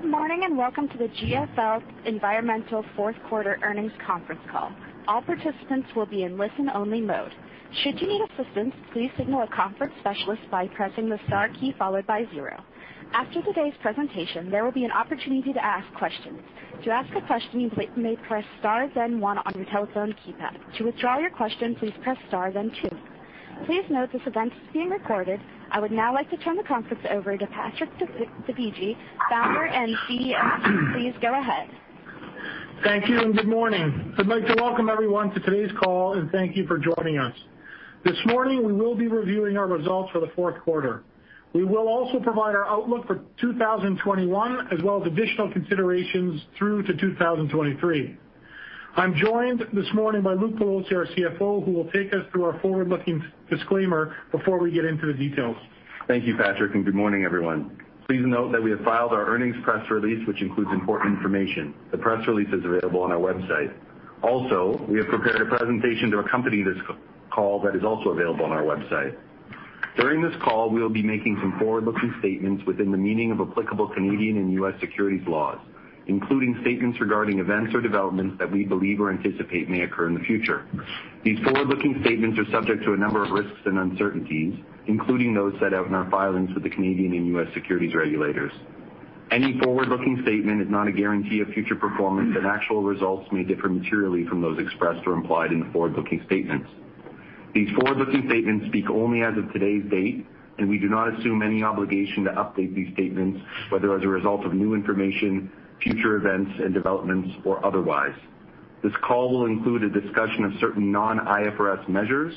Good morning, and welcome to the GFL Environmental fourth quarter earnings conference call. All participants will be in listen-only mode. Should you need assistance, please signal a conference specialist by pressing the star key followed by zero. After today's presentation, there will be an opportunity to ask questions. To ask a question, please press star, then one on your telephone keypad. To withdraw your question, please press star, then two. Please note this event is being recorded. I would now like to turn the conference over to Patrick Dovigi, Founder and CEO. Please go ahead. Thank you, and good morning. I'd like to welcome everyone to today's call and thank you for joining us. This morning, we will be reviewing our results for the fourth quarter. We will also provide our outlook for 2021, as well as additional considerations through to 2023. I'm joined this morning by Luke Pelosi, our CFO, who will take us through our forward-looking disclaimer before we get into the details. Thank you, Patrick, and good morning, everyone. Please note that we have filed our earnings press release, which includes important information. The press release is available on our website. Also, we have prepared a presentation to accompany this call that is also available on our website. During this call, we will be making some forward-looking statements within the meaning of applicable Canadian and U.S. securities laws, including statements regarding events or developments that we believe or anticipate may occur in the future. These forward-looking statements are subject to a number of risks and uncertainties, including those set out in our filings with the Canadian and U.S. securities regulators. Any forward-looking statement is not a guarantee of future performance, and actual results may differ materially from those expressed or implied in the forward-looking statements. These forward-looking statements speak only as of today's date, and we do not assume any obligation to update these statements, whether as a result of new information, future events and developments, or otherwise. This call will include a discussion of certain non-IFRS measures.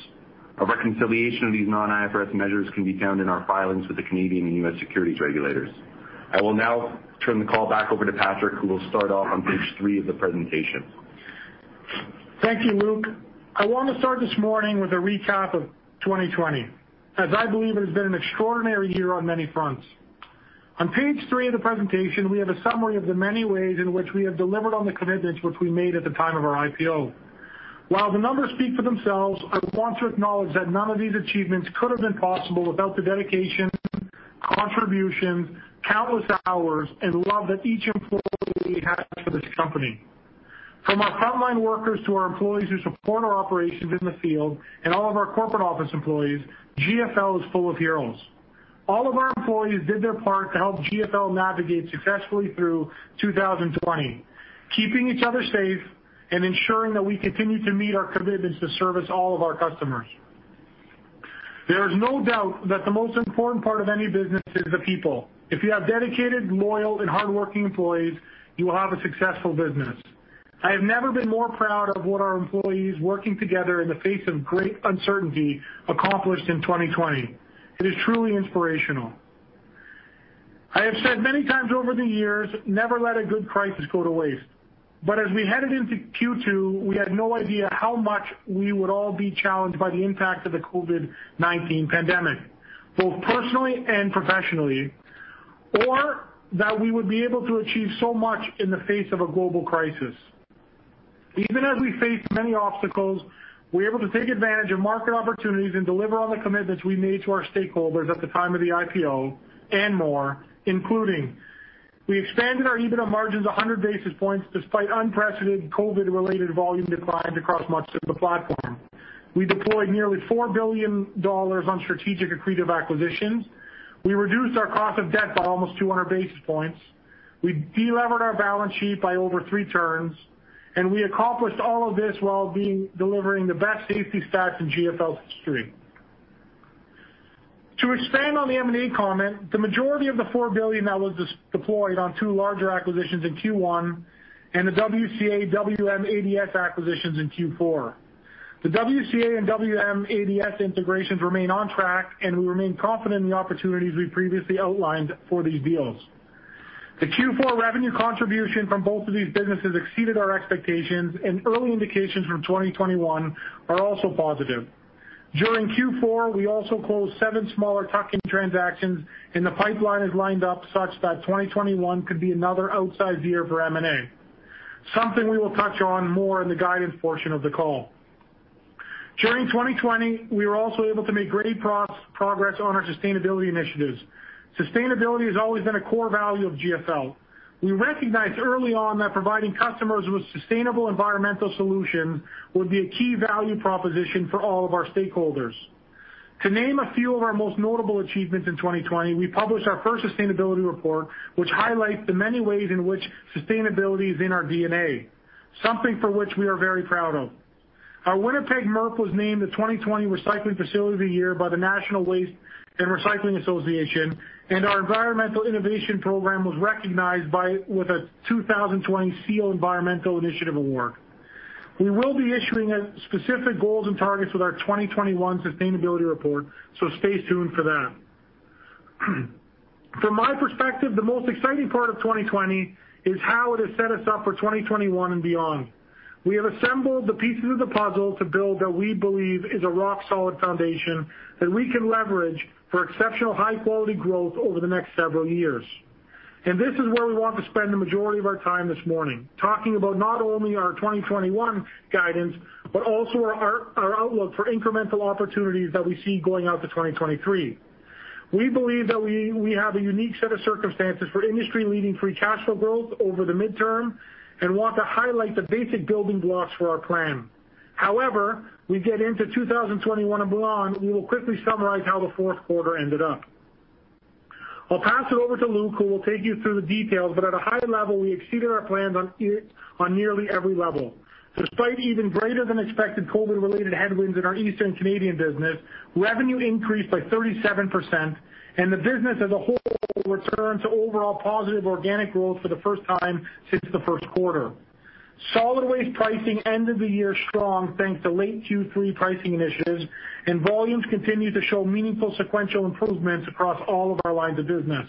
A reconciliation of these non-IFRS measures can be found in our filings with the Canadian and U.S. securities regulators. I will now turn the call back over to Patrick, who will start off on page three of the presentation. Thank you, Luke. I want to start this morning with a recap of 2020, as I believe it has been an extraordinary year on many fronts. On page three of the presentation, we have a summary of the many ways in which we have delivered on the commitments which we made at the time of our IPO. While the numbers speak for themselves, I want to acknowledge that none of these achievements could have been possible without the dedication, contributions, countless hours, and love that each employee has for this company. From our frontline workers to our employees who support our operations in the field and all of our corporate office employees, GFL is full of heroes. All of our employees did their part to help GFL navigate successfully through 2020, keeping each other safe and ensuring that we continue to meet our commitments to service all of our customers. There is no doubt that the most important part of any business is the people. If you have dedicated, loyal, and hardworking employees, you will have a successful business. I have never been more proud of what our employees working together in the face of great uncertainty accomplished in 2020. It is truly inspirational. I have said many times over the years, never let a good crisis go to waste. As we headed into Q2, we had no idea how much we would all be challenged by the impact of the COVID-19 pandemic, both personally and professionally, or that we would be able to achieve so much in the face of a global crisis. Even as we faced many obstacles, we were able to take advantage of market opportunities and deliver on the commitments we made to our stakeholders at the time of the IPO and more, including we expanded our EBITDA margins 100 basis points despite unprecedented COVID-related volume declines across much of the platform. We deployed nearly 4 billion dollars on strategic accretive acquisitions. We reduced our cost of debt by almost 200 basis points. We delevered our balance sheet by over three turns, and we accomplished all of this while delivering the best safety stats in GFL history. To expand on the M&A comment, the majority of the 4 billion that was deployed on two larger acquisitions in Q1 and the WCA, WM, ADS acquisitions in Q4. The WCA and WM, ADS integrations remain on track, and we remain confident in the opportunities we previously outlined for these deals. The Q4 revenue contribution from both of these businesses exceeded our expectations, and early indications from 2021 are also positive. During Q4, we also closed seven smaller tuck-in transactions, and the pipeline is lined up such that 2021 could be another outsized year for M&A, something we will touch on more in the guidance portion of the call. During 2020, we were also able to make great progress on our sustainability initiatives. Sustainability has always been a core value of GFL. We recognized early on that providing customers with sustainable environmental solutions would be a key value proposition for all of our stakeholders. To name a few of our most notable achievements in 2020, we published our first sustainability report, which highlights the many ways in which sustainability is in our DNA, something for which we are very proud of. Our Winnipeg MRF was named the 2020 Recycling Facility of the Year by the National Waste & Recycling Association, and our environmental innovation program was recognized with a 2020 SEAL Environmental Initiative Award. Stay tuned for that. From my perspective, the most exciting part of 2020 is how it has set us up for 2021 and beyond. We have assembled the pieces of the puzzle to build what we believe is a rock-solid foundation that we can leverage for exceptional high-quality growth over the next several years. This is where we want to spend the majority of our time this morning, talking about not only our 2021 guidance, but also our outlook for incremental opportunities that we see going out to 2023. We believe that we have a unique set of circumstances for industry-leading free cash flow growth over the midterm and want to highlight the basic building blocks for our plan. We get into 2021 and beyond, we will quickly summarize how the fourth quarter ended up. I'll pass it over to Luke, who will take you through the details, but at a high level, we exceeded our plans on nearly every level. Despite even greater than expected COVID-related headwinds in our Eastern Canadian business, revenue increased by 37%, and the business as a whole returned to overall positive organic growth for the first time since the first quarter. Solid waste pricing ended the year strong thanks to late Q3 pricing initiatives, and volumes continue to show meaningful sequential improvements across all of our lines of business.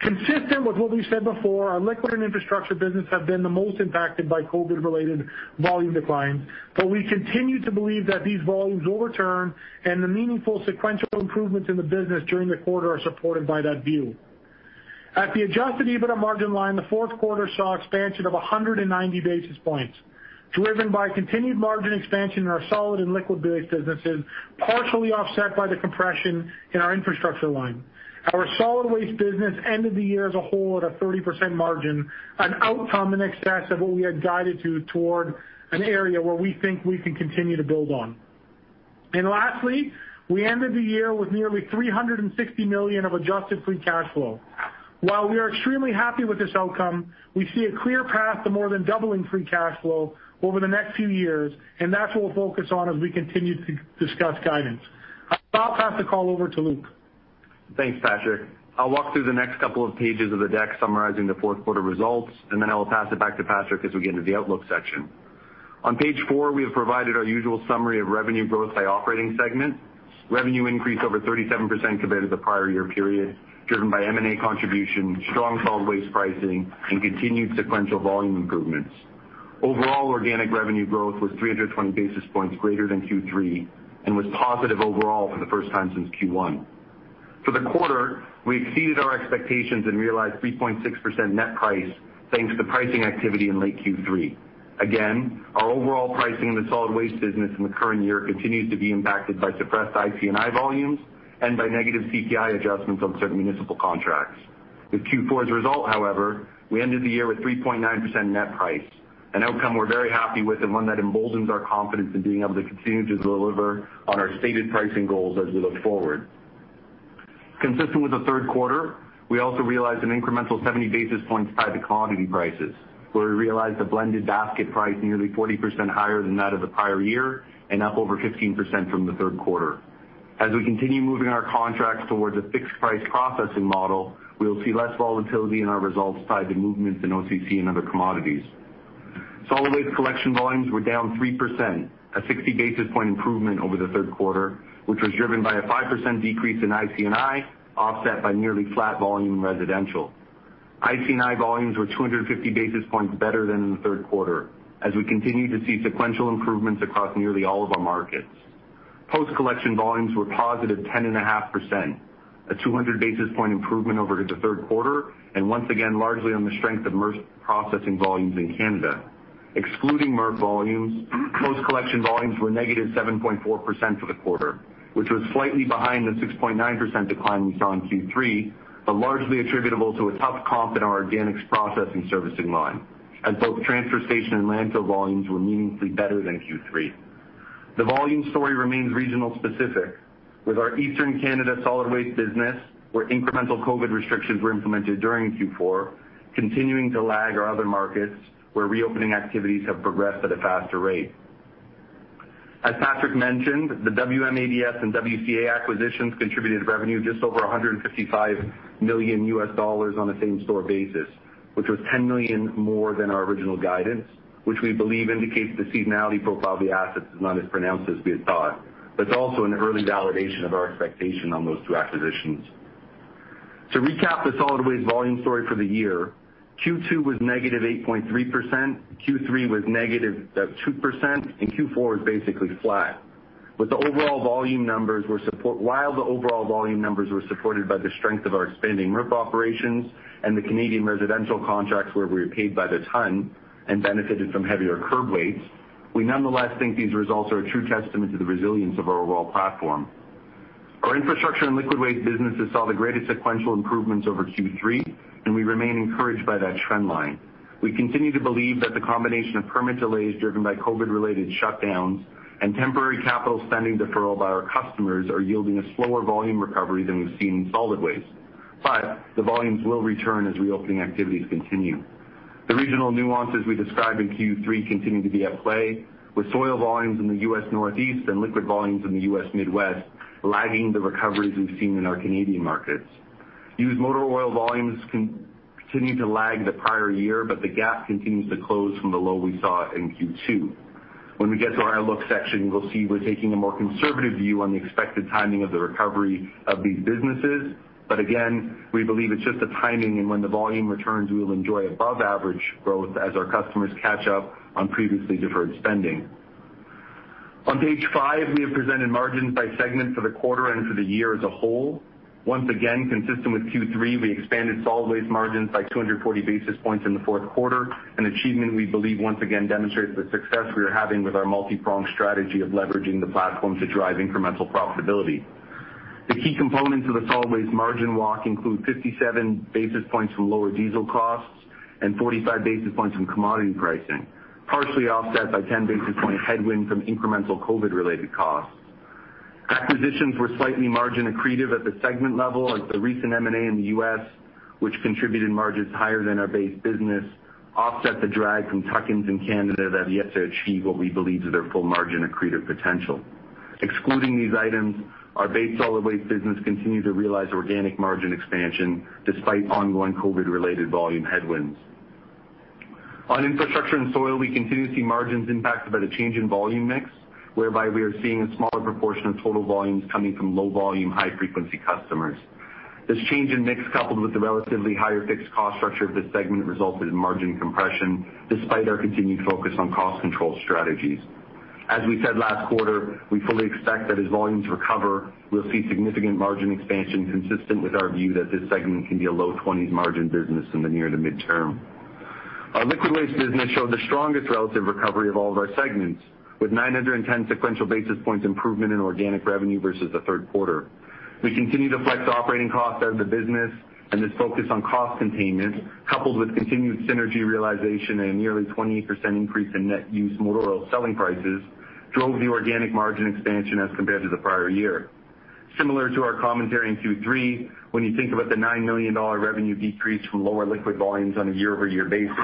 Consistent with what we said before, our liquid and infrastructure business have been the most impacted by COVID-related volume declines, but we continue to believe that these volumes will return, and the meaningful sequential improvements in the business during the quarter are supported by that view. At the adjusted EBITDA margin line, the fourth quarter saw expansion of 190 basis points, driven by continued margin expansion in our solid and liquid waste businesses, partially offset by the compression in our infrastructure line. Our solid waste business ended the year as a whole at a 30% margin, an outcome in excess of what we had guided toward an area where we think we can continue to build on. Lastly, we ended the year with nearly 360 million of adjusted free cash flow. While we are extremely happy with this outcome, we see a clear path to more than doubling free cash flow over the next few years. That's what we'll focus on as we continue to discuss guidance. I'll now pass the call over to Luke. Thanks, Patrick. I'll walk through the next couple of pages of the deck summarizing the fourth quarter results, and then I will pass it back to Patrick as we get into the outlook section. On page four, we have provided our usual summary of revenue growth by operating segment. Revenue increased over 37% compared to the prior year period, driven by M&A contribution, strong solid waste pricing, and continued sequential volume improvements. Overall, organic revenue growth was 320 basis points greater than Q3 and was positive overall for the first time since Q1. For the quarter, we exceeded our expectations and realized 3.6% net price thanks to the pricing activity in late Q3. Our overall pricing in the solid waste business in the current year continues to be impacted by suppressed IC&I volumes and by negative CPI adjustments on certain municipal contracts. With Q4 as a result, however, we ended the year with 3.9% net price, an outcome we're very happy with and one that emboldens our confidence in being able to continue to deliver on our stated pricing goals as we look forward. Consistent with the third quarter, we also realized an incremental 70 basis points tied to commodity prices, where we realized a blended basket price nearly 40% higher than that of the prior year and up over 15% from the third quarter. As we continue moving our contracts towards a fixed-price processing model, we will see less volatility in our results tied to movements in OCC and other commodities. Solid waste collection volumes were down 3%, a 60-basis point improvement over the third quarter, which was driven by a 5% decrease in IC&I, offset by nearly flat volume in residential. IC&I volumes were 250 basis points better than in the third quarter, as we continue to see sequential improvements across nearly all of our markets. Post-collection volumes were a +10.5%, a 200-basis point improvement over the third quarter, and once again, largely on the strength of MRF processing volumes in Canada. Excluding MRF volumes, post-collection volumes were –7.4% for the quarter, which was slightly behind the 6.9% decline we saw in Q3, but largely attributable to a tough comp in our organics processing servicing line, as both transfer station and landfill volumes were meaningfully better than Q3. The volume story remains regional-specific, with our Eastern Canada solid waste business, where incremental COVID restrictions were implemented during Q4, continuing to lag our other markets, where reopening activities have progressed at a faster rate. As Patrick mentioned, the Advanced Disposal and WCA acquisitions contributed to revenue just over CAD 155 million on a same-store basis, which was 10 million more than our original guidance, which we believe indicates the seasonality profile of the assets is not as pronounced as we had thought, but it's also an early validation of our expectation on those two acquisitions. To recap the solid waste volume story for the year, Q2 was -8.3%, Q3 was -2%, and Q4 was basically flat. While the overall volume numbers were supported by the strength of our expanding MRF operations and the Canadian residential contracts where we were paid by the ton and benefited from heavier curb weights, we nonetheless think these results are a true testament to the resilience of our overall platform. Our infrastructure and liquid waste businesses saw the greatest sequential improvements over Q3, and we remain encouraged by that trend line. We continue to believe that the combination of permit delays driven by COVID-related shutdowns and temporary capital spending deferral by our customers are yielding a slower volume recovery than we've seen in solid waste. The volumes will return as reopening activities continue. The regional nuances we described in Q3 continue to be at play, with soil volumes in the U.S. Northeast and liquid volumes in the U.S. Midwest lagging the recoveries we've seen in our Canadian markets. Used motor oil volumes continue to lag the prior year, but the gap continues to close from the low we saw in Q2. When we get to our outlook section, you will see we're taking a more conservative view on the expected timing of the recovery of these businesses. Again, we believe it's just the timing, and when the volume returns, we will enjoy above-average growth as our customers catch up on previously deferred spending. On page five, we have presented margins by segment for the quarter and for the year as a whole. Once again, consistent with Q3, we expanded solid waste margins by 240 basis points in the fourth quarter, an achievement we believe once again demonstrates the success we are having with our multi-pronged strategy of leveraging the platform to drive incremental profitability. The key components of the solid waste margin walk include 57 basis points from lower diesel costs and 45 basis points from commodity pricing, partially offset by 10 basis point headwind from incremental COVID-related costs. Acquisitions were slightly margin accretive at the segment level, as the recent M&A in the U.S., which contributed margins higher than our base business, offset the drag from tuck-ins in Canada that have yet to achieve what we believe is their full margin accretive potential. Excluding these items, our base solid waste business continued to realize organic margin expansion despite ongoing COVID-related volume headwinds. On infrastructure and soil, we continue to see margins impacted by the change in volume mix, whereby we are seeing a smaller proportion of total volumes coming from low-volume, high-frequency customers. This change in mix, coupled with the relatively higher fixed cost structure of this segment, resulted in margin compression despite our continued focus on cost control strategies. As we said last quarter, we fully expect that as volumes recover, we'll see significant margin expansion consistent with our view that this segment can be a low 20s margin business in the near to midterm. Our liquid waste business showed the strongest relative recovery of all of our segments, with 910 sequential basis points improvement in organic revenue versus the third quarter. We continue to flex operating costs out of the business, and this focus on cost containment, coupled with continued synergy realization and a nearly 28% increase in net used motor oil selling prices, drove the organic margin expansion as compared to the prior year. Similar to our commentary in Q3, when you think about the 9 million dollar revenue decrease from lower liquid volumes on a year-over-year basis,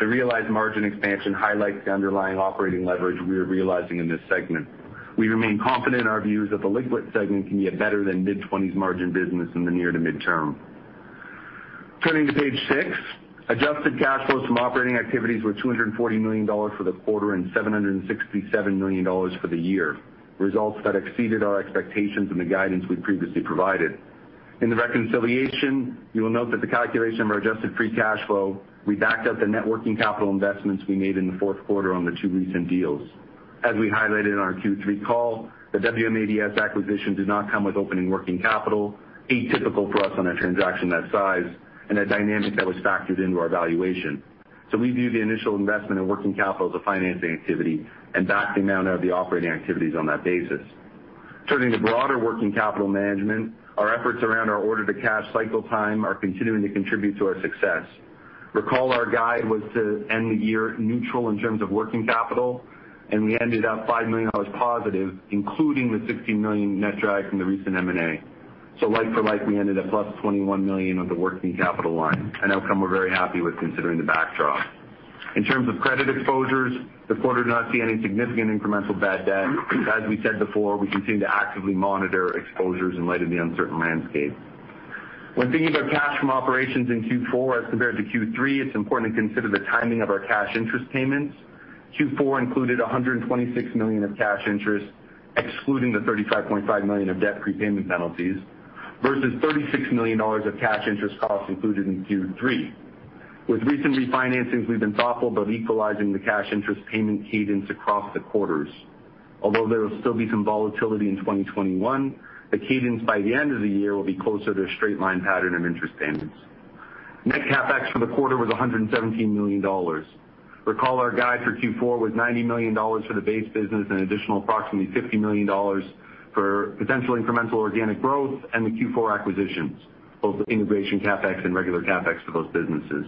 the realized margin expansion highlights the underlying operating leverage we are realizing in this segment. We remain confident in our views that the liquid segment can be a better-than-mid-20s margin business in the near to midterm. Turning to page six, adjusted cash flows from operating activities were 240 million dollars for the quarter and 767 million dollars for the year, results that exceeded our expectations and the guidance we'd previously provided. In the reconciliation, you will note that the calculation of our adjusted free cash flow, we backed out the net working capital investments we made in the fourth quarter on the two recent deals. As we highlighted in our Q3 call, the WM/ADS acquisition did not come with opening working capital, atypical for us on a transaction that size, and a dynamic that was factored into our valuation. We view the initial investment in working capital as a financing activity and backed the amount out of the operating activities on that basis. Turning to broader working capital management, our efforts around our order-to-cash cycle time are continuing to contribute to our success. Recall our guide was to end the year neutral in terms of working capital, and we ended up +5 million, including the 16 million net drag from the recent M&A. Like for like, we ended at plus 21 million on the working capital line, an outcome we're very happy with considering the backdrop. In terms of credit exposures, the quarter did not see any significant incremental bad debt. As we said before, we continue to actively monitor exposures in light of the uncertain landscape. When thinking about cash from operations in Q4 as compared to Q3, it's important to consider the timing of our cash interest payments. Q4 included 126 million of cash interest, excluding the 35.5 million of debt prepayment penalties, versus 36 million dollars of cash interest costs included in Q3. With recent refinancings, we've been thoughtful about equalizing the cash interest payment cadence across the quarters. Although there will still be some volatility in 2021, the cadence by the end of the year will be closer to a straight line pattern of interest payments. Net CapEx for the quarter was 117 million dollars. Recall our guide for Q4 was 90 million dollars for the base business and an additional approximately 50 million dollars for potential incremental organic growth and the Q4 acquisitions, both integration CapEx and regular CapEx for those businesses.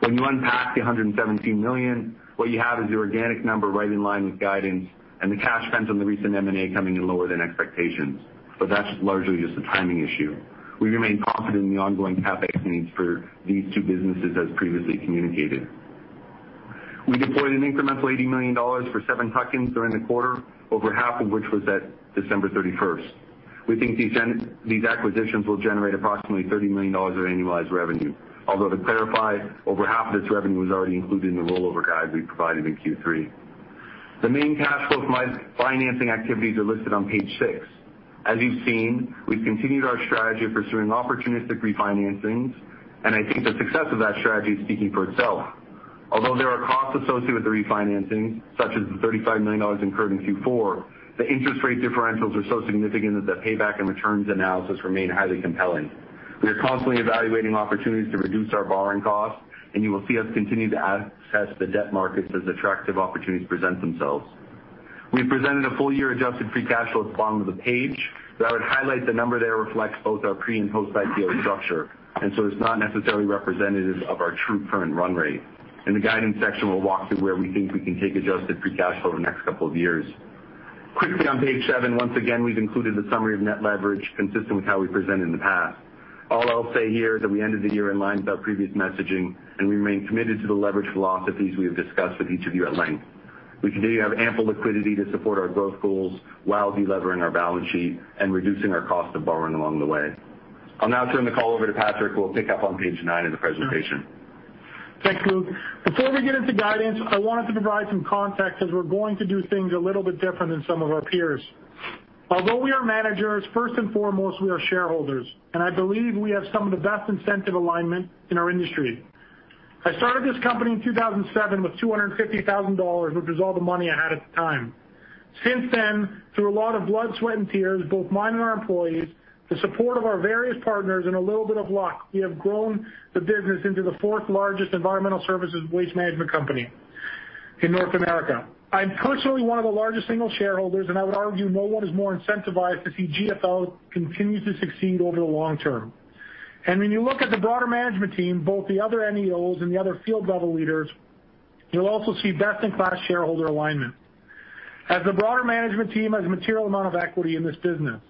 When you unpack the 117 million, what you have is the organic number right in line with guidance and the cash spent on the recent M&A coming in lower than expectations. That's largely just a timing issue. We remain confident in the ongoing CapEx needs for these two businesses, as previously communicated. We deployed an incremental 80 million dollars for seven tuck-ins during the quarter, over 1/2 of which was at December 31st. We think these acquisitions will generate approximately 30 million dollars of annualized revenue. To clarify, over half of this revenue was already included in the rollover guide we provided in Q3. The main cash flow from financing activities are listed on page six. As you've seen, we've continued our strategy of pursuing opportunistic refinancings, and I think the success of that strategy is speaking for itself. There are costs associated with the refinancing, such as the 35 million dollars incurred in Q4, the interest rate differentials are so significant that the payback and returns analysis remain highly compelling. We are constantly evaluating opportunities to reduce our borrowing costs, and you will see us continue to access the debt markets as attractive opportunities present themselves. We presented a full-year adjusted free cash flow at the bottom of the page, but I would highlight the number there reflects both our pre and post-IPO structure, and so it's not necessarily representative of our true current run rate. In the guidance section, we'll walk through where we think we can take adjusted free cash flow over the next couple of years. Quickly on page seven, once again, we've included the summary of net leverage consistent with how we presented in the past. All I'll say here is that we ended the year in line with our previous messaging and remain committed to the leverage philosophies we have discussed with each of you at length. We continue to have ample liquidity to support our growth goals while de-levering our balance sheet and reducing our cost of borrowing along the way. I'll now turn the call over to Patrick, who will pick up on page nine of the presentation. Thanks, Luke. Before we get into guidance, I wanted to provide some context as we're going to do things a little bit different than some of our peers. Although we are managers, first and foremost, we are shareholders, and I believe we have some of the best incentive alignment in our industry. I started this company in 2007 with 250,000 dollars, which was all the money I had at the time. Since then, through a lot of blood, sweat, and tears, both mine and our employees, the support of our various partners, and a little bit of luck, we have grown the business into the fourth largest environmental services waste management company in North America. I'm personally one of the largest single shareholders, and I would argue no one is more incentivized to see GFL continue to succeed over the long term. When you look at the broader management team, both the other NEOs and the other field level leaders, you'll also see best-in-class shareholder alignment. The broader management team has a material amount of equity in this business.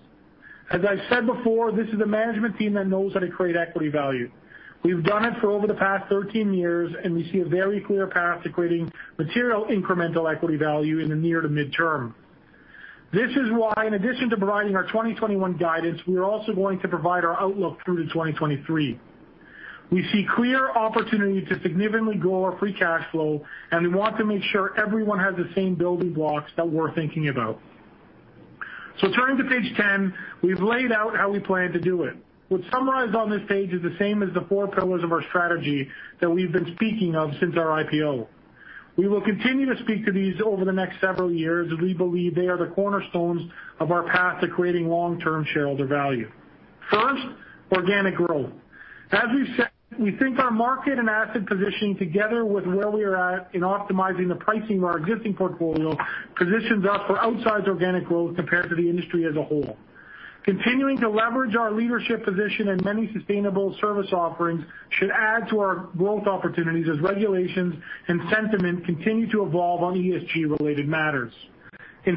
I've said before, this is a management team that knows how to create equity value. We've done it for over the past 13 years, and we see a very clear path to creating material incremental equity value in the near to midterm. This is why, in addition to providing our 2021 guidance, we are also going to provide our outlook through to 2023. We see clear opportunity to significantly grow our free cash flow, and we want to make sure everyone has the same building blocks that we're thinking about. Turning to page 10, we've laid out how we plan to do it. What's summarized on this page is the same as the four pillars of our strategy that we've been speaking of since our IPO. We will continue to speak to these over the next several years, as we believe they are the cornerstones of our path to creating long-term shareholder value. First, organic growth. As we've said, we think our market and asset positioning together with where we are at in optimizing the pricing of our existing portfolio, positions us for outsized organic growth compared to the industry as a whole. Continuing to leverage our leadership position in many sustainable service offerings should add to our growth opportunities as regulations and sentiment continue to evolve on ESG related matters.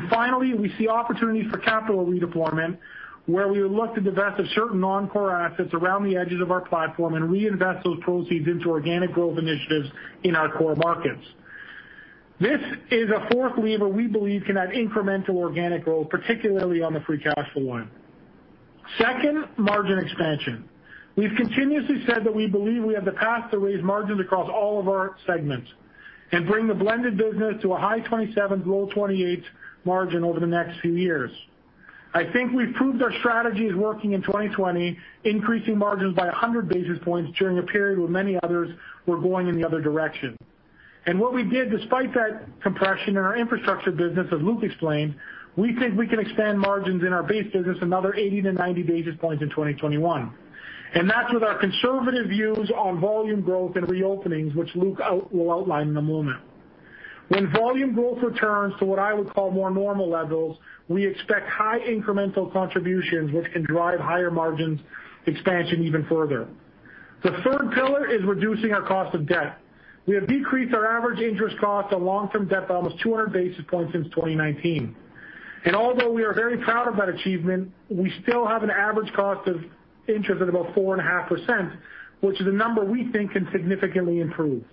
Finally, we see opportunities for capital redeployment, where we would look to divest of certain non-core assets around the edges of our platform and reinvest those proceeds into organic growth initiatives in our core markets. This is a fourth lever we believe can add incremental organic growth, particularly on the free cash flow line. Second, margin expansion. We've continuously said that we believe we have the path to raise margins across all of our segments and bring the blended business to a high 27, low 28% margin over the next few years. I think we've proved our strategy is working in 2020, increasing margins by 100 basis points during a period where many others were going in the other direction. What we did despite that compression in our infrastructure business, as Luke explained, we think we can expand margins in our base business another 80 to 90 basis points in 2021. That's with our conservative views on volume growth and reopenings, which Luke will outline in a moment. When volume growth returns to what I would call more normal levels, we expect high incremental contributions, which can drive higher margins expansion even further. The third pillar is reducing our cost of debt. We have decreased our average interest cost on long-term debt by almost 200 basis points since 2019. Although we are very proud of that achievement, we still have an average cost of interest at about 4.5%, which is a number we think can significantly improve.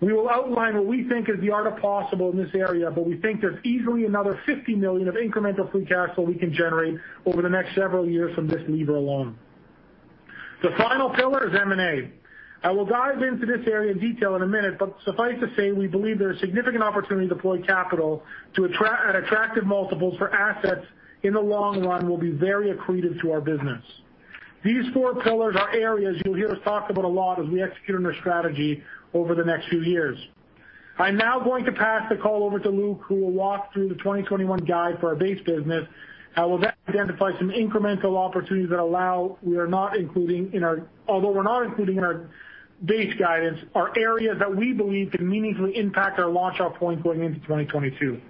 We will outline what we think is the art of possible in this area, but we think there's easily another 50 million of incremental free cash flow we can generate over the next several years from this lever alone. The final pillar is M&A. I will dive into this area in detail in a minute, but suffice to say, we believe there is significant opportunity to deploy capital at attractive multiples for assets in the long run will be very accretive to our business. These four pillars are areas you'll hear us talk about a lot as we execute on our strategy over the next few years. I'm now going to pass the call over to Luke, who will walk through the 2021 guide for our base business, will then identify some incremental opportunities Although we're not including in our base guidance, are areas that we believe could meaningfully impact our launch off point going into 2022.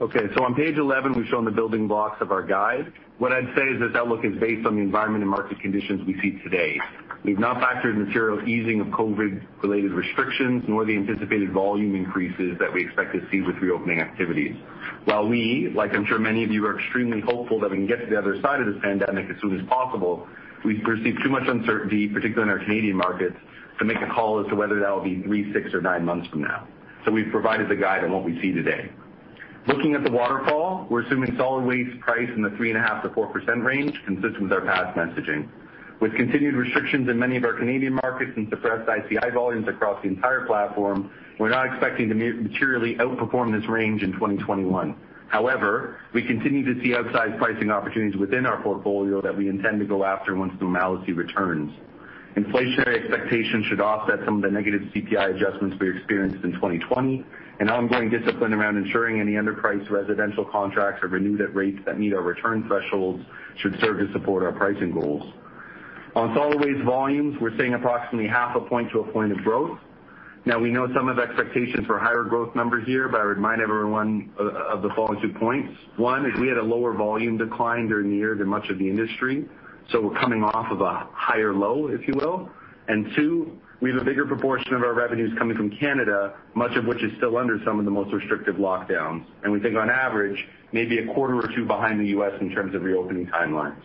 Okay. On page 11, we've shown the building blocks of our guide. What I'd say is this outlook is based on the environment and market conditions we see today. We've not factored in material easing of COVID related restrictions, nor the anticipated volume increases that we expect to see with reopening activities. While we, like I'm sure many of you, are extremely hopeful that we can get to the other side of this pandemic as soon as possible, we perceive too much uncertainty, particularly in our Canadian markets, to make a call as to whether that'll be three, six, or nine months from now. We've provided the guide on what we see today. Looking at the waterfall, we're assuming solid waste price in the 3.5%-4% range, consistent with our past messaging. With continued restrictions in many of our Canadian markets and suppressed IC&I volumes across the entire platform, we're not expecting to materially outperform this range in 2021. We continue to see outsized pricing opportunities within our portfolio that we intend to go after once normalcy returns. Inflationary expectations should offset some of the negative CPI adjustments we experienced in 2020. Ongoing discipline around ensuring any underpriced residential contracts are renewed at rates that meet our return thresholds should serve to support our pricing goals. On solid waste volumes, we're seeing approximately half a point to a point of growth. We know some have expectations for a higher growth number here, but I remind everyone of the following two points. One is we had a lower volume decline during the year than much of the industry. We're coming off of a higher low, if you will. Two, we have a bigger proportion of our revenues coming from Canada, much of which is still under some of the most restrictive lockdowns, and we think on average, may be a quarter or two behind the U.S. in terms of reopening timelines.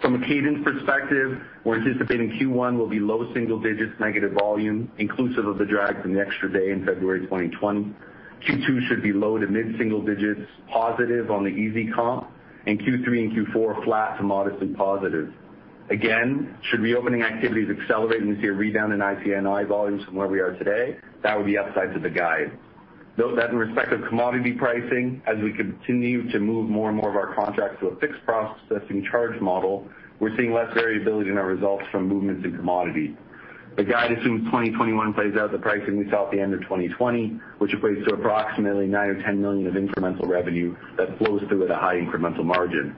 From a cadence perspective, we're anticipating Q1 will be low single digits negative volume, inclusive of the drag from the extra day in February 2020. Q2 should be low to mid single digits positive on the easy comp, and Q3 and Q4 flat to modestly positive. Again, should reopening activities accelerate and we see a rebound in IC&I volumes from where we are today, that would be upside to the guide. Note that in respect of commodity pricing, as we continue to move more and more of our contracts to a fixed processing charge model, we're seeing less variability in our results from movements in commodity. The guide assumes 2021 plays out the pricing we saw at the end of 2020, which equates to approximately CAD nine or 10 million of incremental revenue that flows through at a high incremental margin.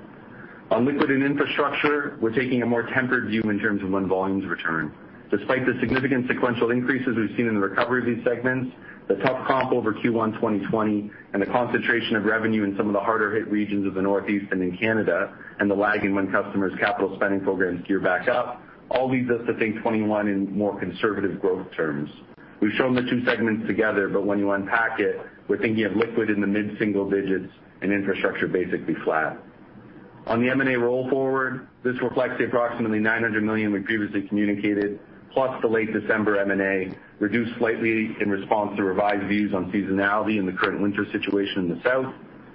On liquid and infrastructure, we're taking a more tempered view in terms of when volumes return. Despite the significant sequential increases we've seen in the recovery of these segments, the tough comp over Q1 2020, and the concentration of revenue in some of the harder hit regions of the Northeast and in Canada, and the lag in when customers' capital spending programs gear back up, all leads us to think 2021 in more conservative growth terms. We've shown the two segments together, but when you unpack it, we're thinking of liquid in the mid-single digits and infrastructure basically flat. On the M&A roll forward, this reflects the approximately 900 million we previously communicated, plus the late December M&A, reduced slightly in response to revised views on seasonality in the current winter situation in the South,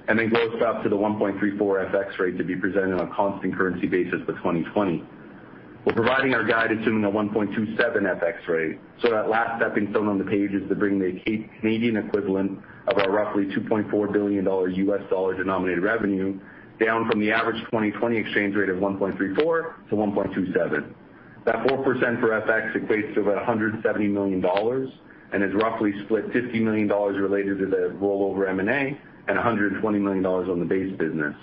and then grossed up to the 1.34 FX rate to be presented on a constant currency basis for 2020. We're providing our guidance assuming a 1.27 FX rate. That last step being shown on the page is to bring the Canadian equivalent of our roughly $2.4 billion US dollar-denominated revenue down from the average 2020 exchange rate of 1.34 to 1.27. That 4% for FX equates to about 170 million dollars and is roughly split 50 million dollars related to the rollover M&A and 120 million dollars on the base business.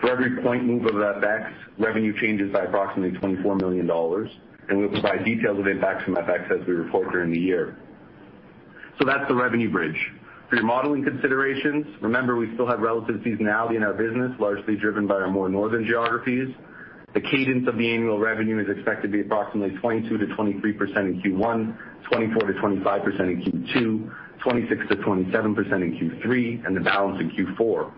For every point move of FX, revenue changes by approximately 24 million dollars. We'll provide details of impacts from FX as we report during the year. That's the revenue bridge. For your modeling considerations, remember, we still have relative seasonality in our business, largely driven by our more northern geographies. The cadence of the annual revenue is expected to be approximately 22%-23% in Q1, 24%-25% in Q2, 26%-27% in Q3. The balance in Q4.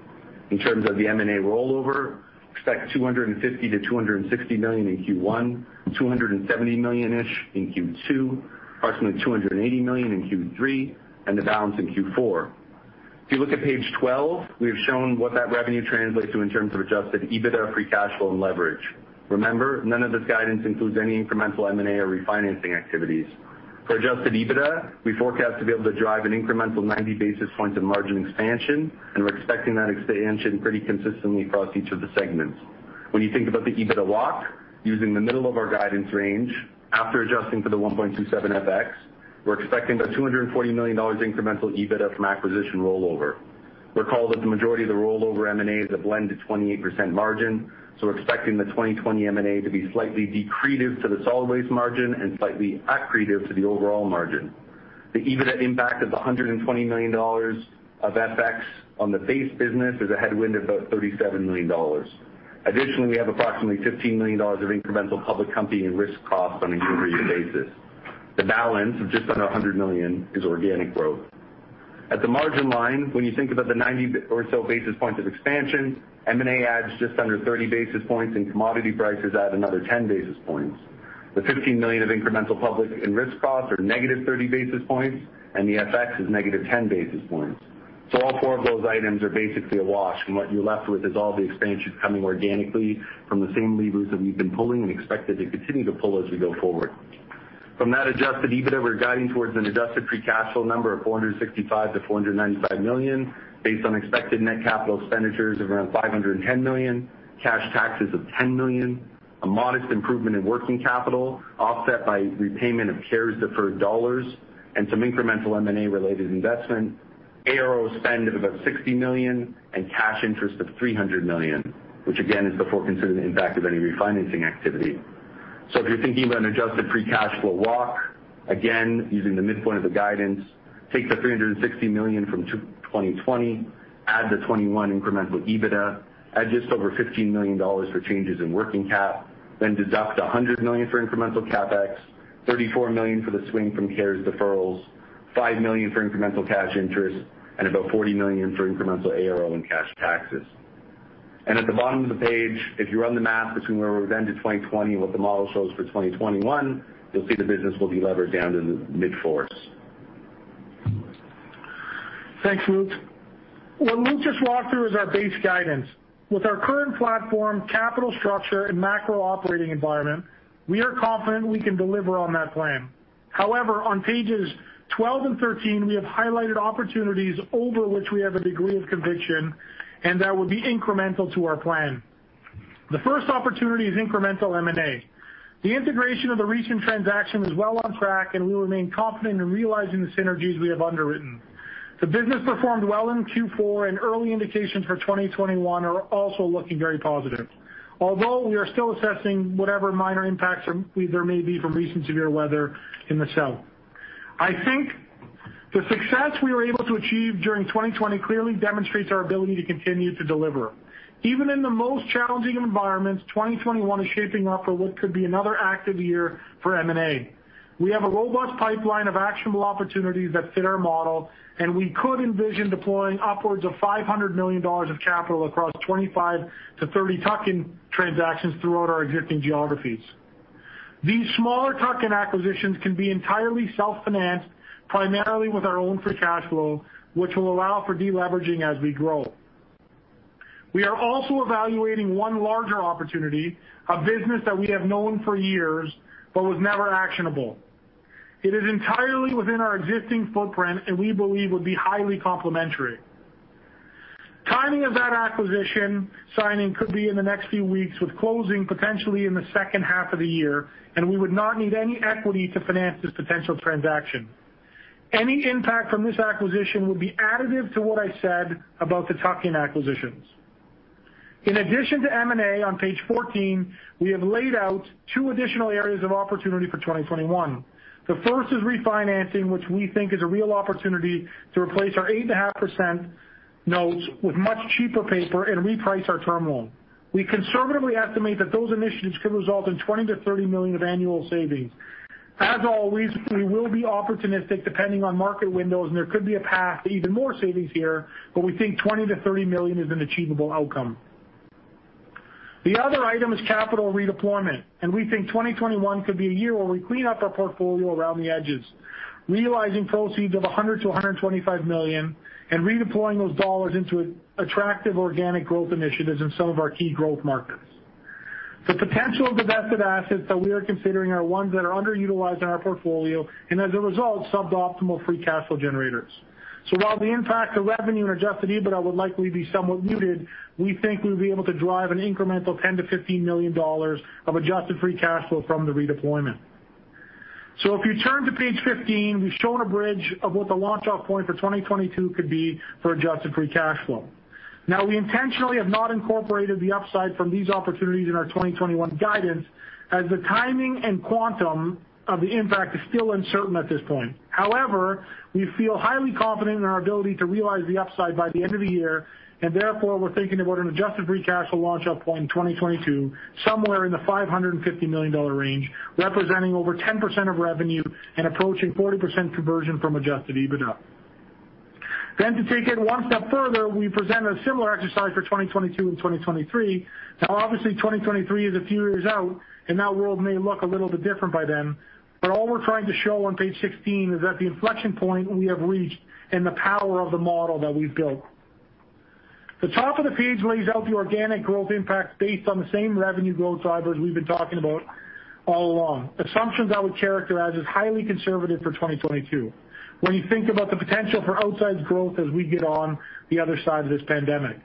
In terms of the M&A rollover, expect 250 million-260 million in Q1, 270 million-ish in Q2, approximately 280 million in Q3. The balance in Q4. If you look at page 12, we have shown what that revenue translates to in terms of adjusted EBITDA, free cash flow, and leverage. Remember, none of this guidance includes any incremental M&A or refinancing activities. For adjusted EBITDA, we forecast to be able to drive an incremental 90 basis points of margin expansion, and we're expecting that expansion pretty consistently across each of the segments. When you think about the EBITDA walk, using the middle of our guidance range, after adjusting for the 1.27 FX, we're expecting about 240 million dollars incremental EBITDA from acquisition rollover. Recall that the majority of the rollover M&A is a blend to 28% margin, so we're expecting the 2020 M&A to be slightly decretive to the solid waste margin and slightly accretive to the overall margin. The EBITDA impact of the 120 million dollars of FX on the base business is a headwind of about 37 million dollars. Additionally, we have approximately 15 million dollars of incremental public company and risk costs on a year-over-year basis. The balance of just under 100 million is organic growth. At the margin line, when you think about the 90 or so basis points of expansion, M&A adds just under 30 basis points and commodity prices add another 10 basis points. The 15 million of incremental public and risk costs are negative 30 basis points. The FX is negative 10 basis points. All four of those items are basically a wash. What you're left with is all the expansions coming organically from the same levers that we've been pulling and expect to continue to pull as we go forward. From that adjusted EBITDA, we're guiding towards an adjusted free cash flow number of 465 million to 495 million based on expected net capital expenditures of around 510 million, cash taxes of 10 million, a modest improvement in working capital offset by repayment of CARES deferred dollars and some incremental M&A-related investment, ARO spend of about 60 million, and cash interest of 300 million, which again, is before considering the impact of any refinancing activity. If you're thinking about an adjusted free cash flow walk, again, using the midpoint of the guidance, take the 360 million from 2020, add the 2021 incremental EBITDA, add just over 15 million dollars for changes in working cap, then deduct 100 million for incremental CapEx, 34 million for the swing from CARES deferrals, 5 million for incremental cash interest, and about 40 million for incremental ARO and cash taxes. At the bottom of the page, if you run the math between where we've ended 2020 and what the model shows for 2021, you'll see the business will be levered down to the mid-fours. Thanks, Luke. What Luke just walked through is our base guidance. With our current platform, capital structure, and macro operating environment, we are confident we can deliver on that plan. On pages 12 and 13, we have highlighted opportunities over which we have a degree of conviction and that will be incremental to our plan. The first opportunity is incremental M&A. The integration of the recent transaction is well on track, and we remain confident in realizing the synergies we have underwritten. The business performed well in Q4, and early indications for 2021 are also looking very positive. We are still assessing whatever minor impacts there may be from recent severe weather in the South. I think the success we were able to achieve during 2020 clearly demonstrates our ability to continue to deliver. Even in the most challenging environments, 2021 is shaping up for what could be another active year for M&A. We have a robust pipeline of actionable opportunities that fit our model. We could envision deploying upwards of 500 million dollars of capital across 25-30 tuck-in transactions throughout our existing geographies. These smaller tuck-in acquisitions can be entirely self-financed, primarily with our own free cash flow, which will allow for de-leveraging as we grow. We are also evaluating one larger opportunity, a business that we have known for years but was never actionable. It is entirely within our existing footprint and we believe would be highly complementary. Timing of that acquisition signing could be in the next few weeks, with closing potentially in the second half of the year, and we would not need any equity to finance this potential transaction. Any impact from this acquisition would be additive to what I said about the tuck-in acquisitions. In addition to M&A, on page 14, we have laid out two additional areas of opportunity for 2021. The first is refinancing, which we think is a real opportunity to replace our 8.5% notes with much cheaper paper and reprice our term loan. We conservatively estimate that those initiatives could result in 20 million-30 million of annual savings. As always, we will be opportunistic depending on market windows, and there could be a path to even more savings here, but we think 20 million-30 million is an achievable outcome. The other item is capital redeployment. We think 2021 could be a year where we clean up our portfolio around the edges, realizing proceeds of 100 million-125 million and redeploying those dollars into attractive organic growth initiatives in some of our key growth markets. The potential divested assets that we are considering are ones that are underutilized in our portfolio and as a result, suboptimal free cash flow generators. While the impact to revenue and adjusted EBITDA would likely be somewhat muted, we think we'll be able to drive an incremental 10 million-15 million dollars of adjusted free cash flow from the redeployment. If you turn to page 15, we've shown a bridge of what the launch-off point for 2022 could be for adjusted free cash flow. We intentionally have not incorporated the upside from these opportunities in our 2021 guidance as the timing and quantum of the impact is still uncertain at this point. We feel highly confident in our ability to realize the upside by the end of the year, and therefore, we're thinking about an adjusted free cash flow launch-off point in 2022, somewhere in the 550 million dollar range, representing over 10% of revenue and approaching 40% conversion from adjusted EBITDA. To take it one step further, we present a similar exercise for 2022 and 2023. Obviously 2023 is a few years out, and our world may look a little bit different by then, but all we're trying to show on page 16 is that the inflection point we have reached and the power of the model that we've built. The top of the page lays out the organic growth impact based on the same revenue growth drivers we've been talking about all along. Assumptions I would characterize as highly conservative for 2022. When you think about the potential for outsized growth as we get on the other side of this pandemic.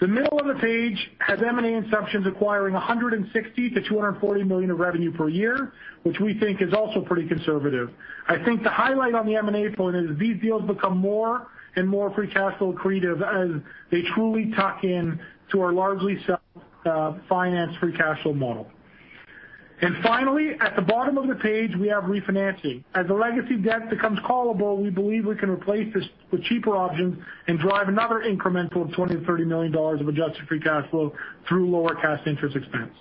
The middle of the page has M&A assumptions acquiring 160 million-240 million of revenue per year, which we think is also pretty conservative. I think the highlight on the M&A point is these deals become more and more free cash flow accretive as they truly tuck in to our largely self-finance free cash flow model. Finally, at the bottom of the page, we have refinancing. As the legacy debt becomes callable, we believe we can replace this with cheaper options and drive another incremental of 20 million-30 million dollars of adjusted free cash flow through lower cash interest expense.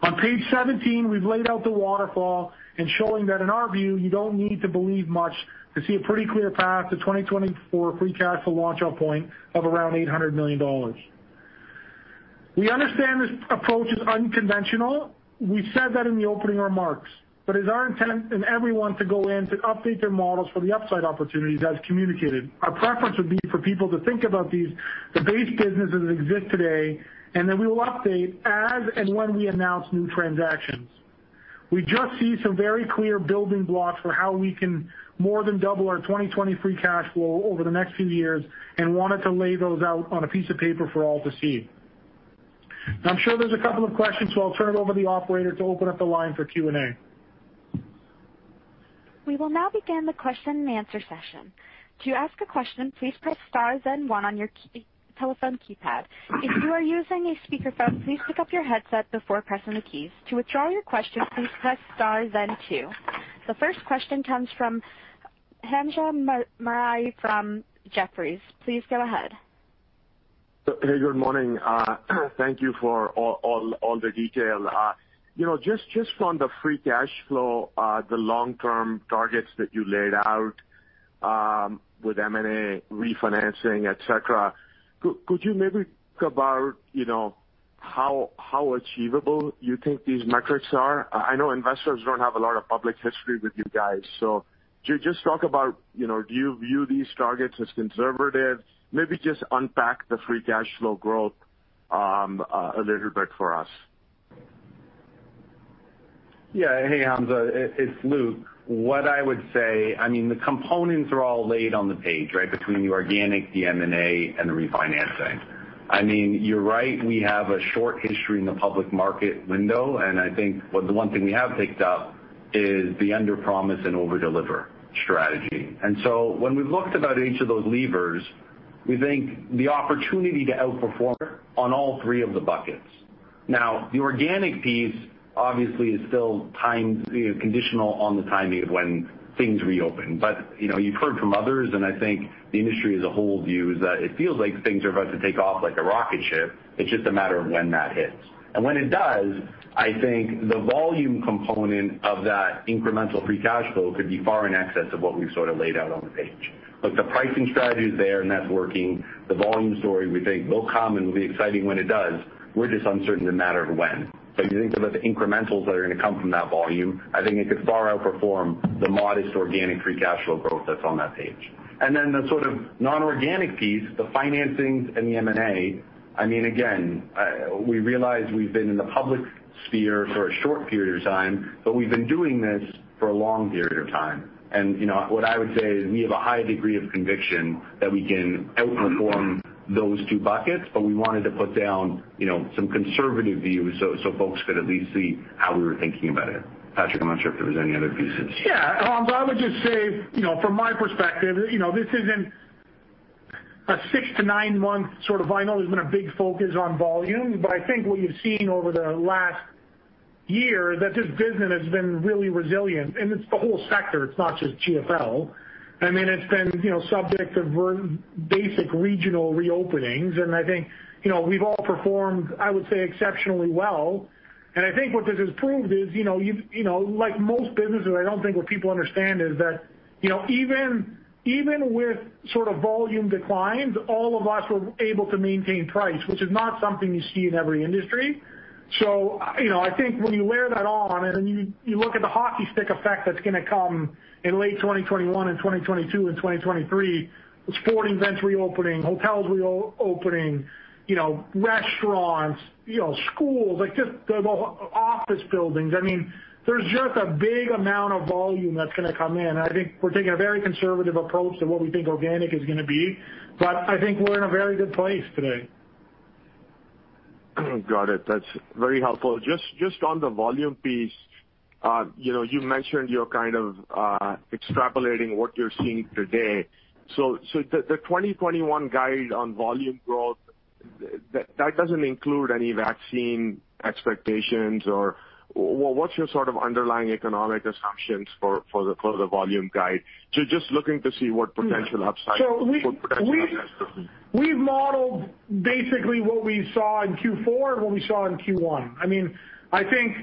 On page 17, we've laid out the waterfall and showing that in our view, you don't need to believe much to see a pretty clear path to 2024 free cash flow launch-off point of around 800 million dollars. We understand this approach is unconventional. We said that in the opening remarks, but it's our intent and everyone to go in to update their models for the upside opportunities as communicated. Our preference would be for people to think about these, the base businesses that exist today, and then we will update as and when we announce new transactions. We just see some very clear building blocks for how we can more than double our 2020 free cash flow over the next few years and wanted to lay those out on a piece of paper for all to see. Now, I'm sure there's a couple of questions, so I'll turn it over to the operator to open up the line for Q&A. We will now begin the question-and-answer session. To ask a question, please press star, then one on your telephone keypad. If you are using a speakerphone, please pick up your headset before pressing the keys. To withdraw your question, please press star, then two. The first question comes from Hamzah Mazari from Jefferies. Please go ahead. Hey, good morning. Thank you for all the detail. Just from the free cash flow, the long-term targets that you laid out, with M&A refinancing, et cetera, could you maybe talk about how achievable you think these metrics are? I know investors don't have a lot of public history with you guys. Just talk about, do you view these targets as conservative? Maybe just unpack the free cash flow growth a little bit for us. Yeah. Hey, Hamzah, it's Luke. What I would say, the components are all laid on the page, right? Between the organic, the M&A, and the refinancing. You're right, we have a short history in the public market window, and I think the one thing we have picked up is the under promise and over deliver strategy. When we've looked about each of those levers, we think the opportunity to outperform on all three of the buckets. Now, the organic piece obviously is still conditional on the timing of when things reopen. You've heard from others, and I think the industry as a whole views that it feels like things are about to take off like a rocket ship. It's just a matter of when that hits. When it does, I think the volume component of that incremental free cash flow could be far in excess of what we've sort of laid out on the page. Look, the pricing strategy is there and that's working. The volume story we think will come and will be exciting when it does. We're just uncertain the matter of when. If you think about the incrementals that are going to come from that volume, I think it could far outperform the modest organic free cash flow growth that's on that page. Then the sort of non-organic piece, the financings and the M&A, again, we realize we've been in the public sphere for a short period of time, but we've been doing this for a long period of time. What I would say is we have a high degree of conviction that we can outperform those two buckets, but we wanted to put down some conservative views so folks could at least see how we were thinking about it. Patrick, I'm not sure if there was any other pieces. Yeah. Hamzah, I would just say from my perspective, this isn't a six-to-nine-month sort of window has been a big focus on volume. I think what you've seen over the last year that this business has been really resilient, and it's the whole sector, it's not just GFL. It's been subject to basic regional reopenings, and I think we've all performed, I would say, exceptionally well. I think what this has proved is, like most businesses, I don't think what people understand is that even with sort of volume declines, all of us were able to maintain price, which is not something you see in every industry. I think when you layer that on and you look at the hockey stick effect that's going to come in late 2021 and 2022 and 2023, with sporting events reopening, hotels reopening, restaurants, schools, office buildings. There's just a big amount of volume that's going to come in. I think we're taking a very conservative approach to what we think organic is going to be. I think we're in a very good place today. Got it. That's very helpful. Just on the volume piece, you mentioned you're kind of extrapolating what you're seeing today. The 2021 guide on volume growth, that doesn't include any vaccine expectations or what's your sort of underlying economic assumptions for the volume guide? Just looking to see what potential upside- So we- What potential We've modeled basically what we saw in Q4 and what we saw in Q1. I think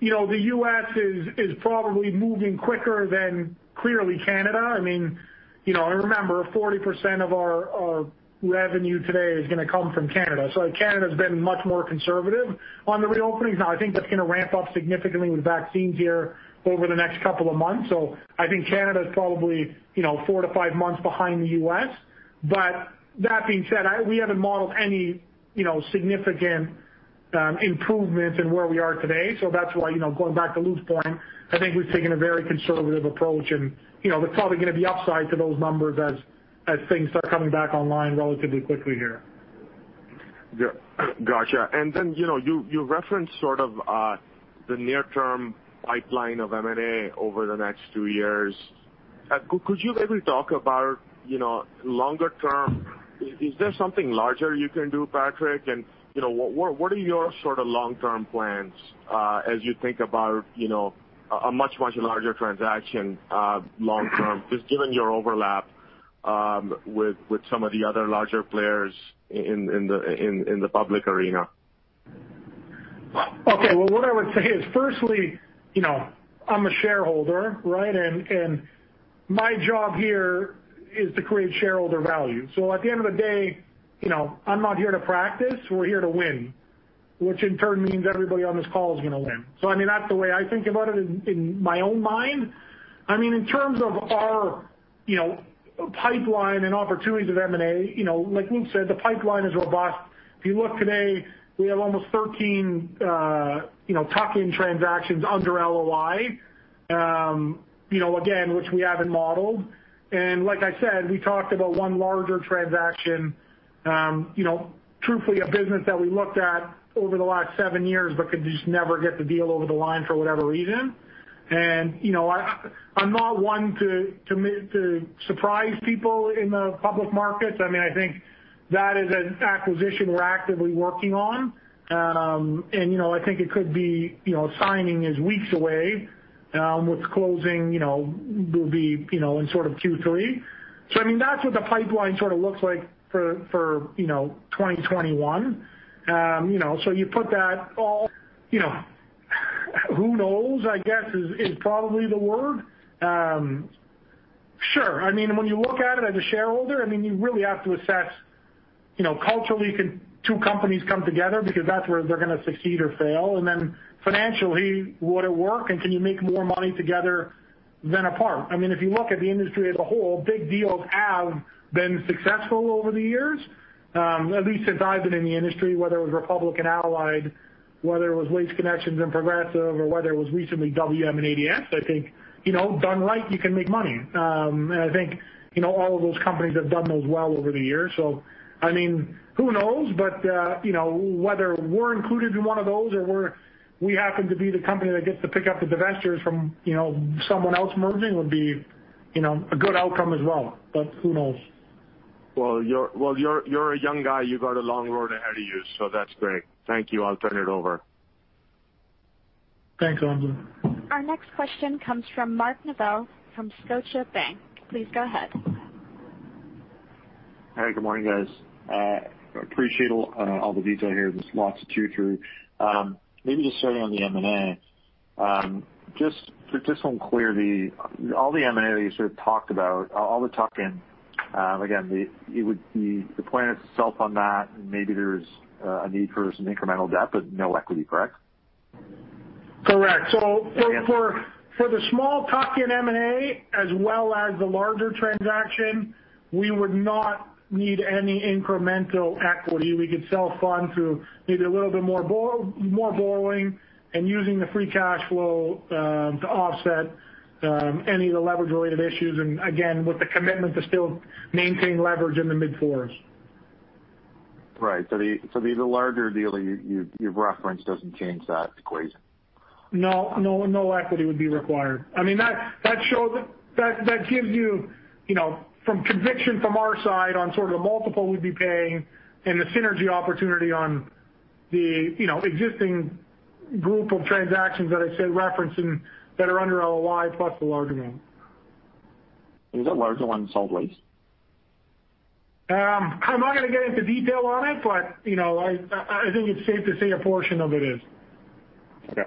the U.S. is probably moving quicker than, clearly, Canada. Remember, 40% of our revenue today is going to come from Canada. Canada's been much more conservative on the reopenings. I think that's going to ramp up significantly with vaccines here over the next couple of months. I think Canada's probably four to five months behind the U.S. That being said, we haven't modeled any significant improvements in where we are today. That's why, going back to Luke's point, I think we've taken a very conservative approach, and there's probably going to be upside to those numbers as things start coming back online relatively quickly here. Yeah. Got you. You referenced sort of the near-term pipeline of M&A over the next two years. Could you maybe talk about longer term? Is there something larger you can do, Patrick? What are your sort of long-term plans as you think about a much, much larger transaction long term, just given your overlap with some of the other larger players in the public arena? Okay. Well, what I would say is firstly, I'm a shareholder, right? My job here is to create shareholder value. At the end of the day, I'm not here to practice. We're here to win, which in turn means everybody on this call is going to win. I mean, that's the way I think about it in my own mind. In terms of our pipeline and opportunities of M&A, like Luke said, the pipeline is robust. If you look today, we have almost 13 tuck-in transactions under LOI. Again, which we haven't modeled. Like I said, we talked about one larger transaction, truthfully a business that we looked at over the last seven years but could just never get the deal over the line for whatever reason. I'm not one to surprise people in the public markets. I think that is an acquisition we're actively working on. I think it could be signing is weeks away, with closing will be in sort of Q3. I mean, that's what the pipeline sort of looks like for 2021. Who knows, I guess, is probably the word. Sure. I mean, when you look at it as a shareholder, you really have to assess culturally, can two companies come together because that's where they're going to succeed or fail, and then financially, would it work, and can you make more money together than apart? If you look at the industry as a whole, big deals have been successful over the years. At least since I've been in the industry, whether it was Republic and Allied, whether it was Waste Connections and Progressive, or whether it was recently WM and ADS, I think, done right, you can make money. I think all of those companies have done those well over the years. I mean, who knows? Whether we're included in one of those or we happen to be the company that gets to pick up the divestitures from someone else merging would be a good outcome as well, who knows? Well, you're a young guy. You've got a long road ahead of you, so that's great. Thank you. I'll turn it over. Thanks, Hamzah. Our next question comes from Mark Neville from Scotiabank. Please go ahead. Hey, good morning, guys. I appreciate all the detail here. There's lots to chew through. Maybe just starting on the M&A. Just for clarification, all the M&A that you sort of talked about, all the tuck-in, again, the plan itself on that, maybe there's a need for some incremental debt, but no equity, correct? Correct. Okay. For the small tuck-in M&A as well as the larger transaction, we would not need any incremental equity. We could self-fund through maybe a little bit more borrowing and using the free cash flow to offset any of the leverage-related issues, and again, with the commitment to still maintain leverage in the mid fours. Right. The larger deal that you've referenced doesn't change that equation? No equity would be required. That gives you conviction from our side on the multiple we'd be paying and the synergy opportunity on the existing group of transactions that I said referencing that are under LOI plus the larger one. Is that larger one solid waste? I'm not going to get into detail on it, but I think it's safe to say a portion of it is. Yeah.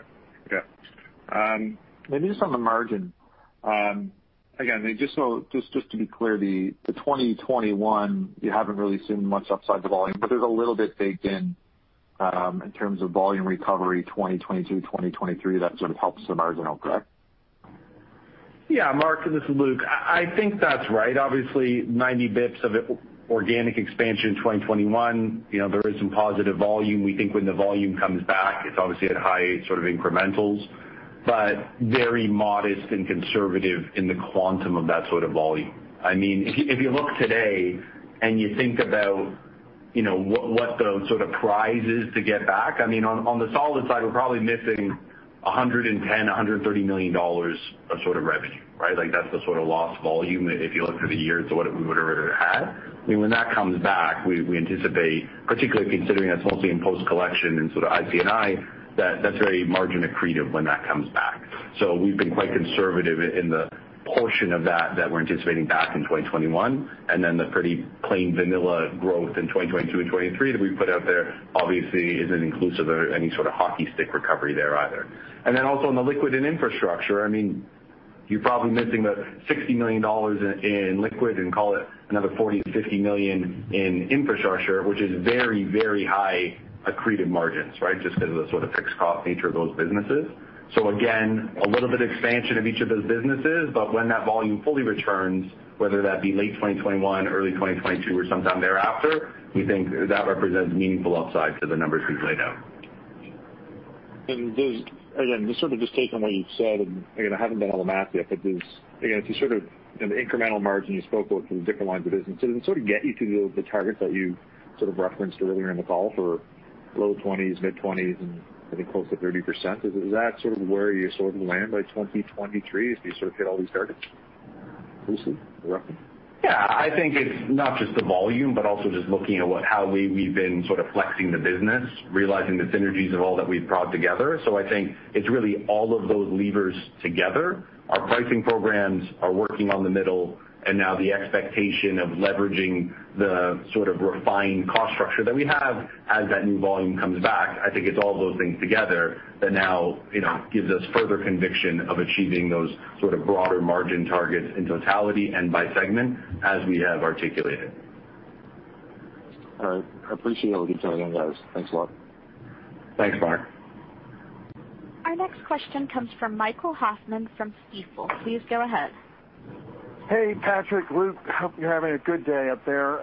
Maybe just on the margin. Again, just to be clear, the 2021, you haven't really seen much upside the volume, but there's a little bit baked in terms of volume recovery 2022, 2023 that sort of helps the margins, correct? Yeah, Mark, this is Luke. I think that's right. Obviously 90 basis points of organic expansion in 2021. There is some positive volume. We think when the volume comes back, it's obviously at high incrementals, but very modest and conservative in the quantum of that sort of volume. If you look today and you think about what the sort of prize is to get back, on the solid side, we're probably missing 110 million, 130 million dollars of revenue, right? That's the sort of lost volume if you look through the years of what we would have had. When that comes back, we anticipate, particularly considering that's mostly in post-collection and IC&I, that that's very margin accretive when that comes back. We've been quite conservative in the portion of that we're anticipating back in 2021, and the pretty plain vanilla growth in 2022 and 2023 that we've put out there obviously isn't inclusive of any sort of hockey stick recovery there either. Also in the liquid and infrastructure, you're probably missing about 60 million dollars in liquid and call it another 40 million-50 million in infrastructure, which is very accretive margins, right? Just because of the sort of fixed cost nature of those businesses. Again, a little bit expansion of each of those businesses, but when that volume fully returns, whether that be late 2021, early 2022 or sometime thereafter, we think that represents meaningful upside to the numbers we've laid out. Again, just sort of just taking what you've said, and again, I haven't done all the math yet, but if you sort of in the incremental margin you spoke about for the different lines of business, does it sort of get you to the target that you sort of referenced earlier in the call for low 20s, mid-20s, and I think close to 30%? Is that sort of where you sort of land by 2023 as you sort of hit all these targets? Loosely? Roughly? Yeah. I think it's not just the volume, but also just looking at how we've been sort of flexing the business, realizing the synergies of all that we've brought together. I think it's really all of those levers together. Our pricing programs are working on the middle, and now the expectation of leveraging the sort of refined cost structure that we have as that new volume comes back. I think it's all those things together that now gives us further conviction of achieving those sort of broader margin targets in totality and by segment as we have articulated. All right. I appreciate all the detail on those. Thanks a lot. Thanks, Mark. Our next question comes from Michael Hoffman from Stifel. Please go ahead. Hey, Patrick, Luke. Hope you're having a good day up there.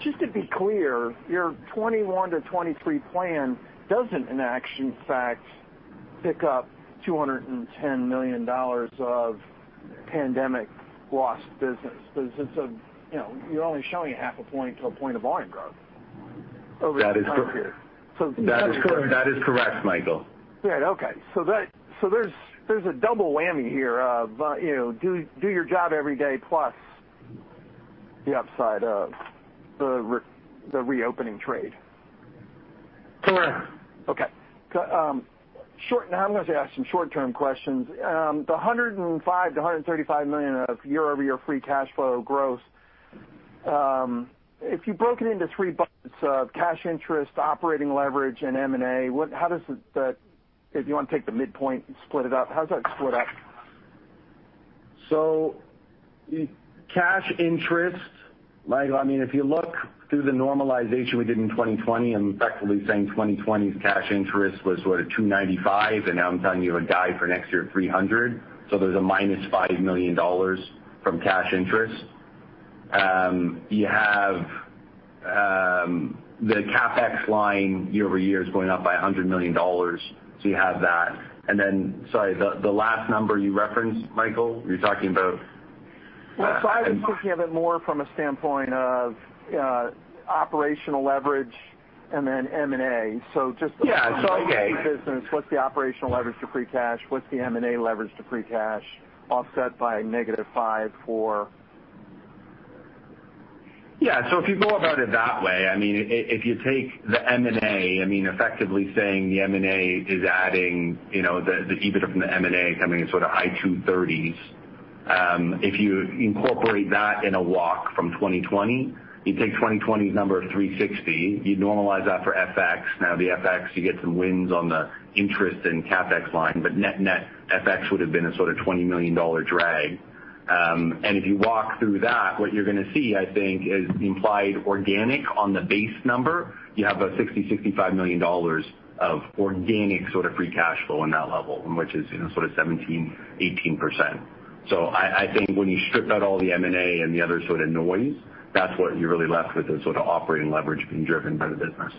Just to be clear, your 2021-2023 plan doesn't in actual fact pick up 210 million dollars of pandemic lost business. You're only showing a half a point to a point of volume growth over the time period. That is correct, Michael. Right. Okay. There's a double whammy here of do your job every day plus the upside of the reopening trade. Correct. Okay. Now I'm going to ask some short-term questions. The 105 million-135 million of year-over-year free cash flow growth, if you broke it into three buckets of cash interest, operating leverage, and M&A, if you want to take the midpoint and split it up, how does that split up? Cash interest, Michael, if you look through the normalization we did in 2020, I'm effectively saying 2020's cash interest was sort of 295, and now I'm telling you a guide for next year of 300. There's a minus 5 million dollars from cash interest. You have the CapEx line year-over-year is going up by 100 million dollars. You have that, and then, sorry, the last number you referenced, Michael, you're talking about? I was thinking of it more from a standpoint of operational leverage and then M&A. Yeah. Okay. Just the core business, what's the operational leverage to free cash? What's the M&A leverage to free cash offset by -5%,-4%. Yeah. If you go about it that way, if you take the M&A, effectively saying the M&A is adding the EBITDA from the M&A coming in sort of high CAD 230s. If you incorporate that in a walk from 2020, you take 2020's number of 360, you normalize that for FX. The FX, you get some wins on the interest and CapEx line, but net-net FX would've been a sort of 20 million dollar drag. If you walk through that, what you're going to see I think is the implied organic on the base number. You have a 60 million, 65 million dollars of organic sort of free cash flow on that level, which is sort of 17%, 18%. I think when you strip out all the M&A and the other sort of noise, that's what you're really left with is sort of operating leverage being driven by the business.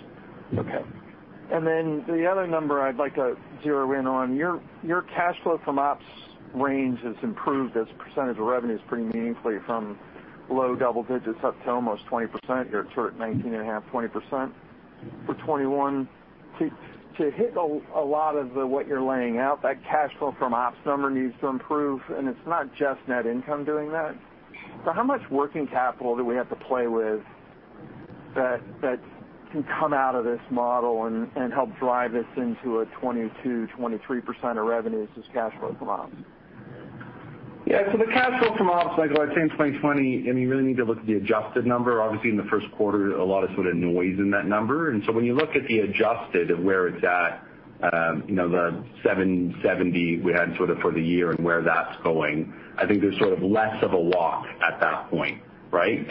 The other number I'd like to zero in on, your cash flow from ops range has improved as a % of revenue is pretty meaningfully from low double digits up to almost 20% here. It's sort of at 19.5%-20% for 2021. To hit a lot of what you're laying out, that cash flow from ops number needs to improve, and it's not just net income doing that. How much working capital do we have to play with that can come out of this model and help drive this into a 22%-23% of revenue as just cash flow from ops? Yeah. The cash flow from ops, Michael, I'd say in 2020, you really need to look at the adjusted number. Obviously, in the first quarter, a lot of sort of noise in that number. When you look at the adjusted of where it's at, the 7.70 we had sort of for the year and where that's going, I think there's sort of less of a walk at that point, right?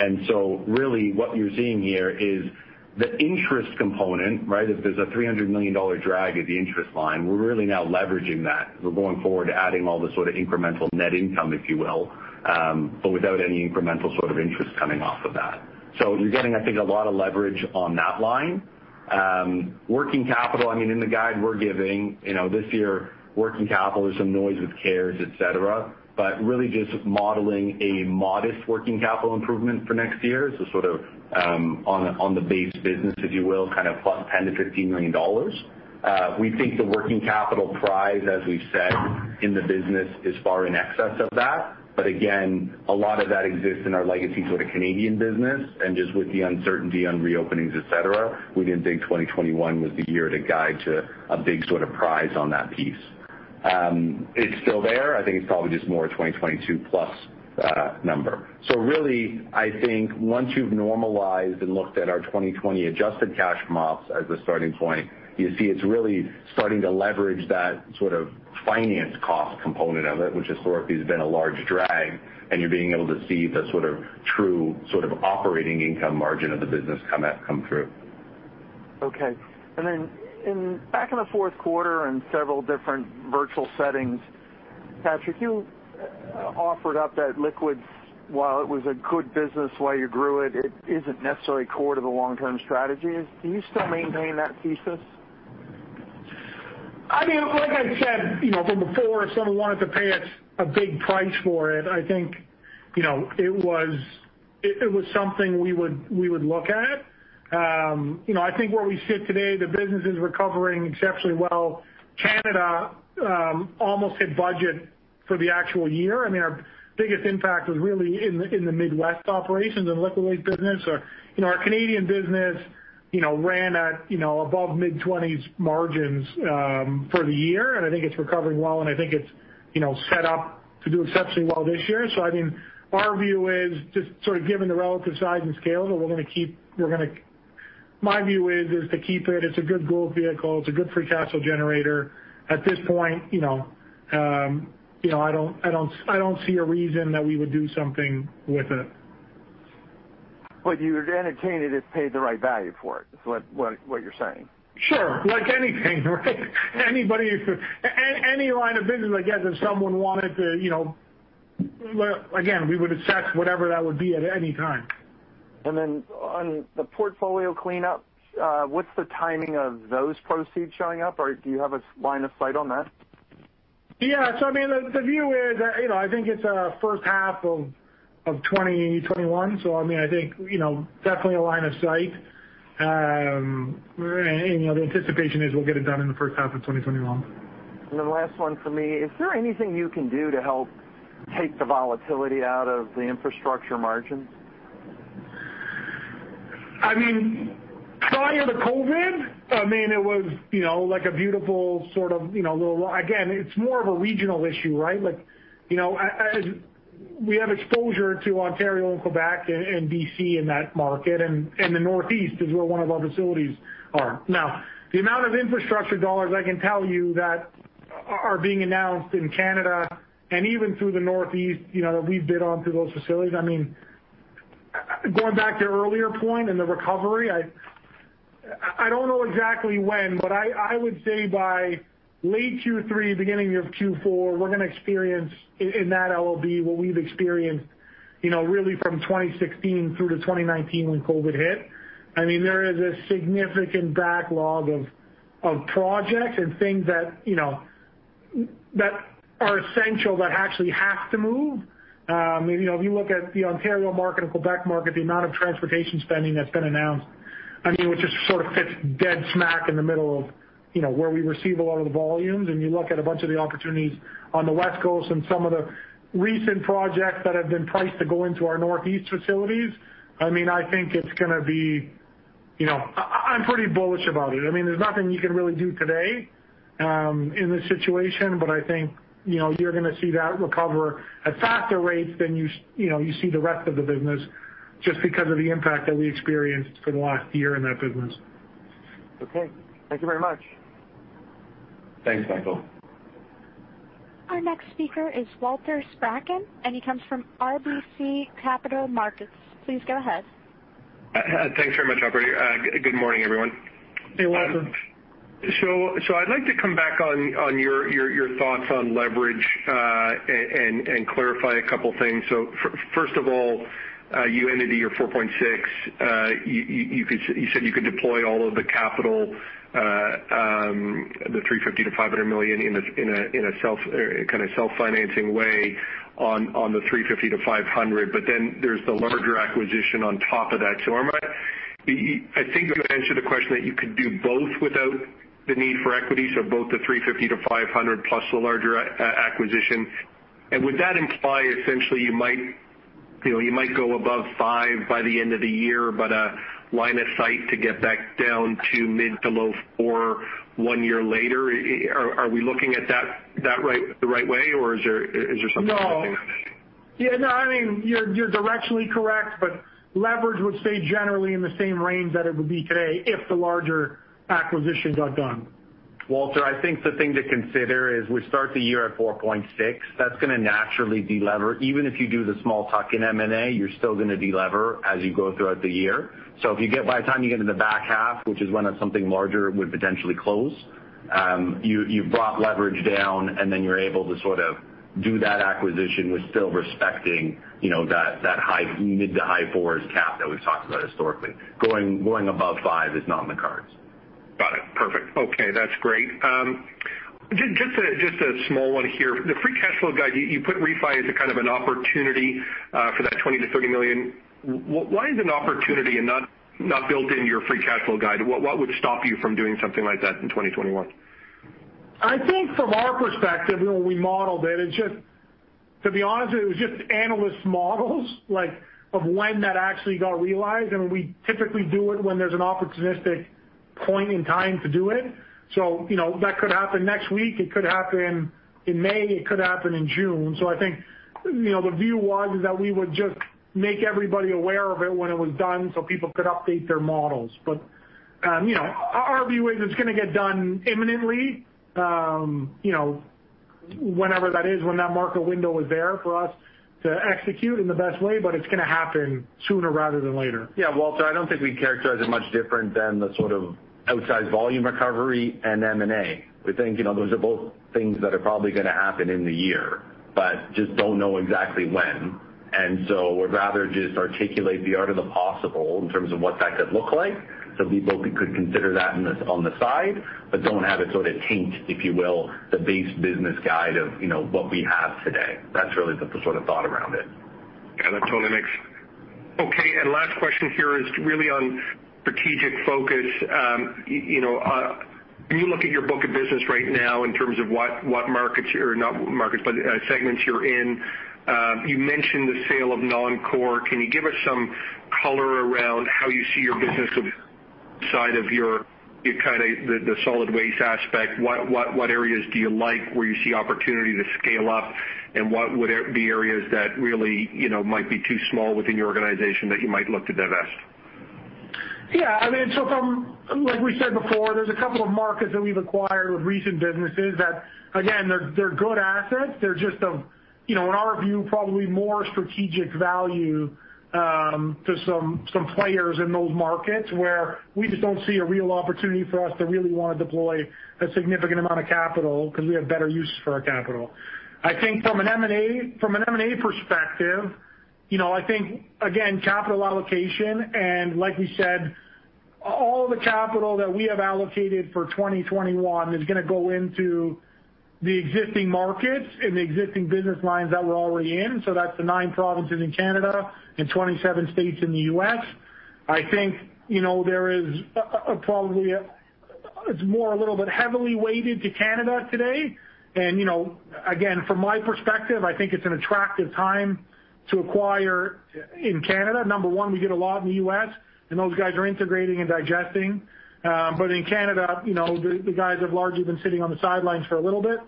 Really what you're seeing here is the interest component, right? If there's a 300 million dollar drag at the interest line, we're really now leveraging that. We're going forward to adding all the sort of incremental net income, if you will, but without any incremental sort of interest coming off of that. You're getting, I think, a lot of leverage on that line. Working capital, in the guide we're giving, this year, working capital, there's some noise with CARES, et cetera, but really just modeling a modest working capital improvement for next year. Sort of on the base business, if you will, kind of +10 million-15 million dollars. We think the working capital prize, as we've said, in the business is far in excess of that. Again, a lot of that exists in our legacy sort of Canadian business. Just with the uncertainty on reopenings, et cetera, we didn't think 2021 was the year to guide to a big sort of prize on that piece. It's still there. I think it's probably just more a 2022 plus number. Really, I think once you've normalized and looked at our 2020 adjusted cash from ops as the starting point, you see it's really starting to leverage that sort of finance cost component of it, which historically has been a large drag, and you're being able to see the sort of true operating income margin of the business come through. Okay. Back in the fourth quarter and several different virtual settings, Patrick, you offered up that liquids, while it was a good business while you grew it isn't necessarily core to the long-term strategy. Do you still maintain that thesis? I said from before, if someone wanted to pay us a big price for it, I think it was something we would look at. I think where we sit today, the business is recovering exceptionally well. Canada almost hit budget for the actual year. Our biggest impact was really in the Midwest operations and liquid waste business. Our Canadian business ran at above mid-20s margins for the year, and I think it's recovering well, and I think it's set up to do exceptionally well this year. Our view is just sort of given the relative size and scale that my view is to keep it. It's a good growth vehicle. It's a good free cash flow generator. At this point, I don't see a reason that we would do something with it. You would entertain it if paid the right value for it, is what you're saying? Sure. Like anything, right? Any line of business, again, if someone wanted to, we would assess whatever that would be at any time. On the portfolio cleanup, what's the timing of those proceeds showing up? Or do you have a line of sight on that? Yeah. The view is, I think it's first half of 2021. I think definitely a line of sight. The anticipation is we'll get it done in the first half of 2021. The last one for me, is there anything you can do to help take the volatility out of the infrastructure margins? Prior to COVID-19, it was like a beautiful sort of. Again, it's more of a regional issue, right? We have exposure to Ontario and Quebec and BC in that market, and the Northeast is where one of our facilities are. Now, the amount of infrastructure Canadian dollars I can tell you that are being announced in Canada and even through the Northeast that we've bid on through those facilities, going back to your earlier point in the recovery, I don't know exactly when, but I would say by late Q3, beginning of Q4, we're gonna experience in that LOB what we've experienced really from 2016 through to 2019 when COVID-19 hit. There is a significant backlog of projects and things that are essential that actually have to move. If you look at the Ontario market and Quebec market, the amount of transportation spending that's been announced, which just sort of fits dead smack in the middle of where we receive a lot of the volumes. And you look at a bunch of the opportunities on the West Coast and some of the recent projects that have been priced to go into our Northeast facilities, I think it's gonna be I'm pretty bullish about it. There's nothing you can really do today in this situation, but I think you're gonna see that recover at faster rates than you see the rest of the business just because of the impact that we experienced for the last year in that business. Okay. Thank you very much. Thanks, Michael. Our next speaker is Walter Spracklin. He comes from RBC Capital Markets. Please go ahead. Thanks very much, Operator. Good morning, everyone. Hey, Walter. I'd like to come back on your thoughts on leverage, and clarify a couple things. First of all, you ended at your 4.6%. You said you could deploy all of the capital, the 350 million-500 million in a kind of self-financing way on the 350 million-500 million. There's the larger acquisition on top of that. I think you answered the question that you could do both without the need for equity, so both the 350 million-500 million plus the larger acquisition. Would that imply essentially you might go above 5% by the end of the year, but a line of sight to get back down to mid-to-low 4% one year later? Are we looking at that the right way, or is there something I'm missing? No. You're directionally correct, but leverage would stay generally in the same range that it would be today if the larger acquisitions got done. Walter, I think the thing to consider is we start the year at 4.6%. That's going to naturally de-lever. Even if you do the small tuck-in M&A, you're still going to de-lever as you go throughout the year. So by the time you get to the back half, which is when something larger would potentially close, you've brought leverage down and then you're able to sort of do that acquisition with still respecting that mid to high fours cap that we've talked about historically. Going above five is not in the cards. Got it. Perfect. Okay, that's great. Just a small one here. The free cash flow guide, you put refi as a kind of an opportunity for that 20 million-30 million. Why is it an opportunity and not built into your free cash flow guide? What would stop you from doing something like that in 2021? I think from our perspective, when we modeled it, to be honest, it was just analyst models, like of when that actually got realized. We typically do it when there's an opportunistic point in time to do it. That could happen next week, it could happen in May, it could happen in June. The view was is that we would just make everybody aware of it when it was done so people could update their models. Our view is it's going to get done imminently, whenever that is, when that market window is there for us to execute in the best way, but it's going to happen sooner rather than later. Yeah, Walter, I don't think we'd characterize it much different than the sort of outside volume recovery and M&A. We think those are both things that are probably going to happen in the year, but just don't know exactly when. We'd rather just articulate the art of the possible in terms of what that could look like so people could consider that on the side, but don't have it sort of taint, if you will, the base business guide of what we have today. That's really the sort of thought around it. Okay. Last question here is really on strategic focus. When you look at your book of business right now in terms of what segments you're in, you mentioned the sale of non-core. Can you give us some color around how you see your business side of your kind of the solid waste aspect? What areas do you like where you see opportunity to scale up, and what would be areas that really might be too small within your organization that you might look to divest? Like we said before, there's a couple of markets that we've acquired with recent businesses that, again, they're good assets, they're just, in our view, probably more strategic value to some players in those markets where we just don't see a real opportunity for us to really want to deploy a significant amount of capital because we have better use for our capital. From an M&A perspective, I think again, capital allocation, and like we said, all the capital that we have allocated for 2021 is going to go into the existing markets and the existing business lines that we're already in. That's the nine provinces in Canada and 27 states in the U.S. It's more a little bit heavily weighted to Canada today. Again, from my perspective, I think it's an attractive time to acquire in Canada. Number one, we did a lot in the U.S., those guys are integrating and digesting. In Canada, the guys have largely been sitting on the sidelines for a little bit.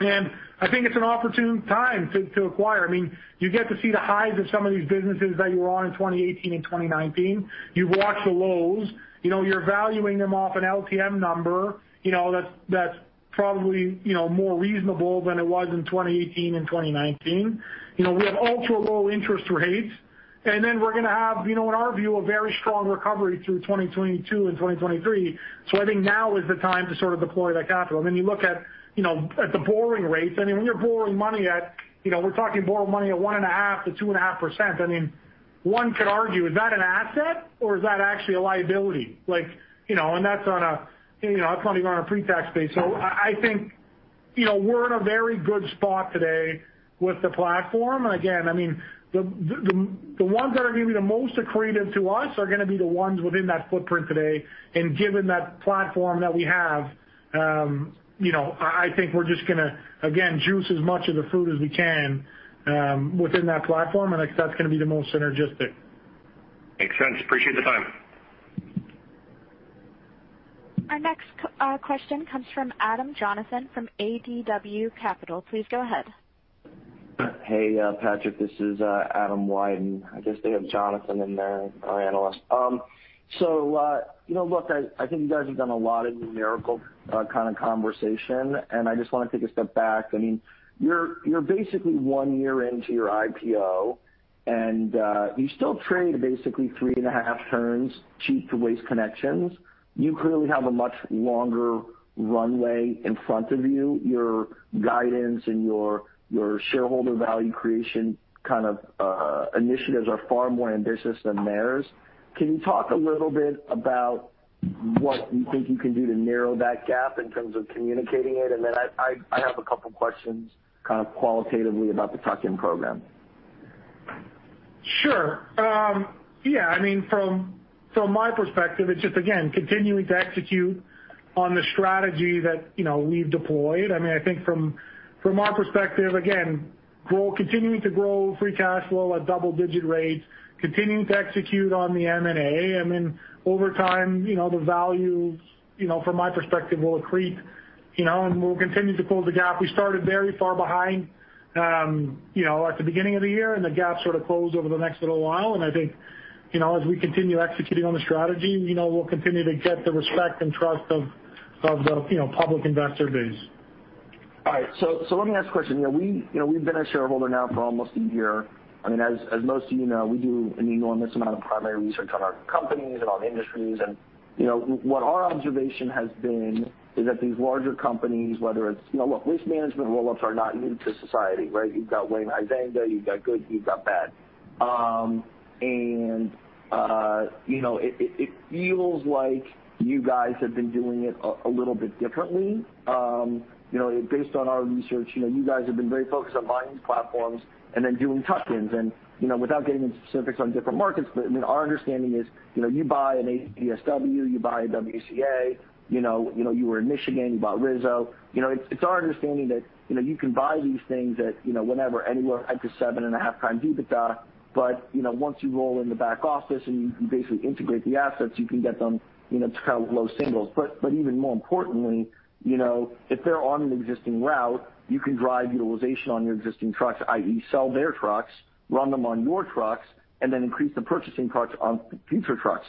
I think it's an opportune time to acquire. You get to see the highs of some of these businesses that you were on in 2018 and 2019. You've watched the lows. You're valuing them off an LTM number. That's probably more reasonable than it was in 2018 and 2019. We have ultra-low interest rates, we're going to have, in our view, a very strong recovery through 2022 and 2023. I think now is the time to sort of deploy that capital. You look at the borrowing rates. When you're borrowing money at, we're talking borrowing money at 1.5%-2.5%. One could argue, is that an asset or is that actually a liability? That's only on a pre-tax base. I think we're in a very good spot today with the platform. Again, the ones that are going to be the most accretive to us are going to be the ones within that footprint today. Given that platform that we have, I think we're just going to, again, juice as much of the fruit as we can within that platform, and I think that's going to be the most synergistic. Makes sense. Appreciate the time. Our next question comes from Adam Wyden from ADW Capital. Please go ahead. Hey, Patrick, this is Adam Wyden. I guess they have Jonathan in there, our analyst. Look, I think you guys have done a lot of numerical kind of conversation, and I just want to take a step back. You're basically one year into your IPO, and you still trade basically three and a half turns cheap to Waste Connections. You clearly have a much longer runway in front of you. Your guidance and your shareholder value creation kind of initiatives are far more ambitious than theirs. Can you talk a little bit about what you think you can do to narrow that gap in terms of communicating it? Then I have a couple questions kind of qualitatively about the tuck-in program. Sure. From my perspective, it's just, again, continuing to execute on the strategy that we've deployed. I think from our perspective, again, continuing to grow free cash flow at double-digit rates, continuing to execute on the M&A. Over time, the value, from my perspective, will accrete, and we'll continue to close the gap. We started very far behind at the beginning of the year, and the gap sort of closed over the next little while, and I think, as we continue executing on the strategy, we'll continue to get the respect and trust of the public investor base. All right. Let me ask a question. We've been a shareholder now for almost a year. As most of you know, we do an enormous amount of primary research on our companies and on industries, and what our observation has been is that these larger companies, whether it's Look, waste management roll-ups are not new to society, right? You've got Wayne Huizenga, you've got good, you've got bad. It feels like you guys have been doing it a little bit differently. Based on our research, you guys have been very focused on buying these platforms and then doing tuck-ins and, without getting into specifics on different markets, but our understanding is, you buy an ADSW, you buy a WCA, you were in Michigan, you bought Rizzo. It's our understanding that you can buy these things at whatever, anywhere up to 7.5x EBITDA, but once you roll in the back office and you can basically integrate the assets, you can get them to kind of low singles. Even more importantly, if they're on an existing route, you can drive utilization on your existing trucks, i.e., sell their trucks, run them on your trucks, and then increase the purchasing trucks on future trucks.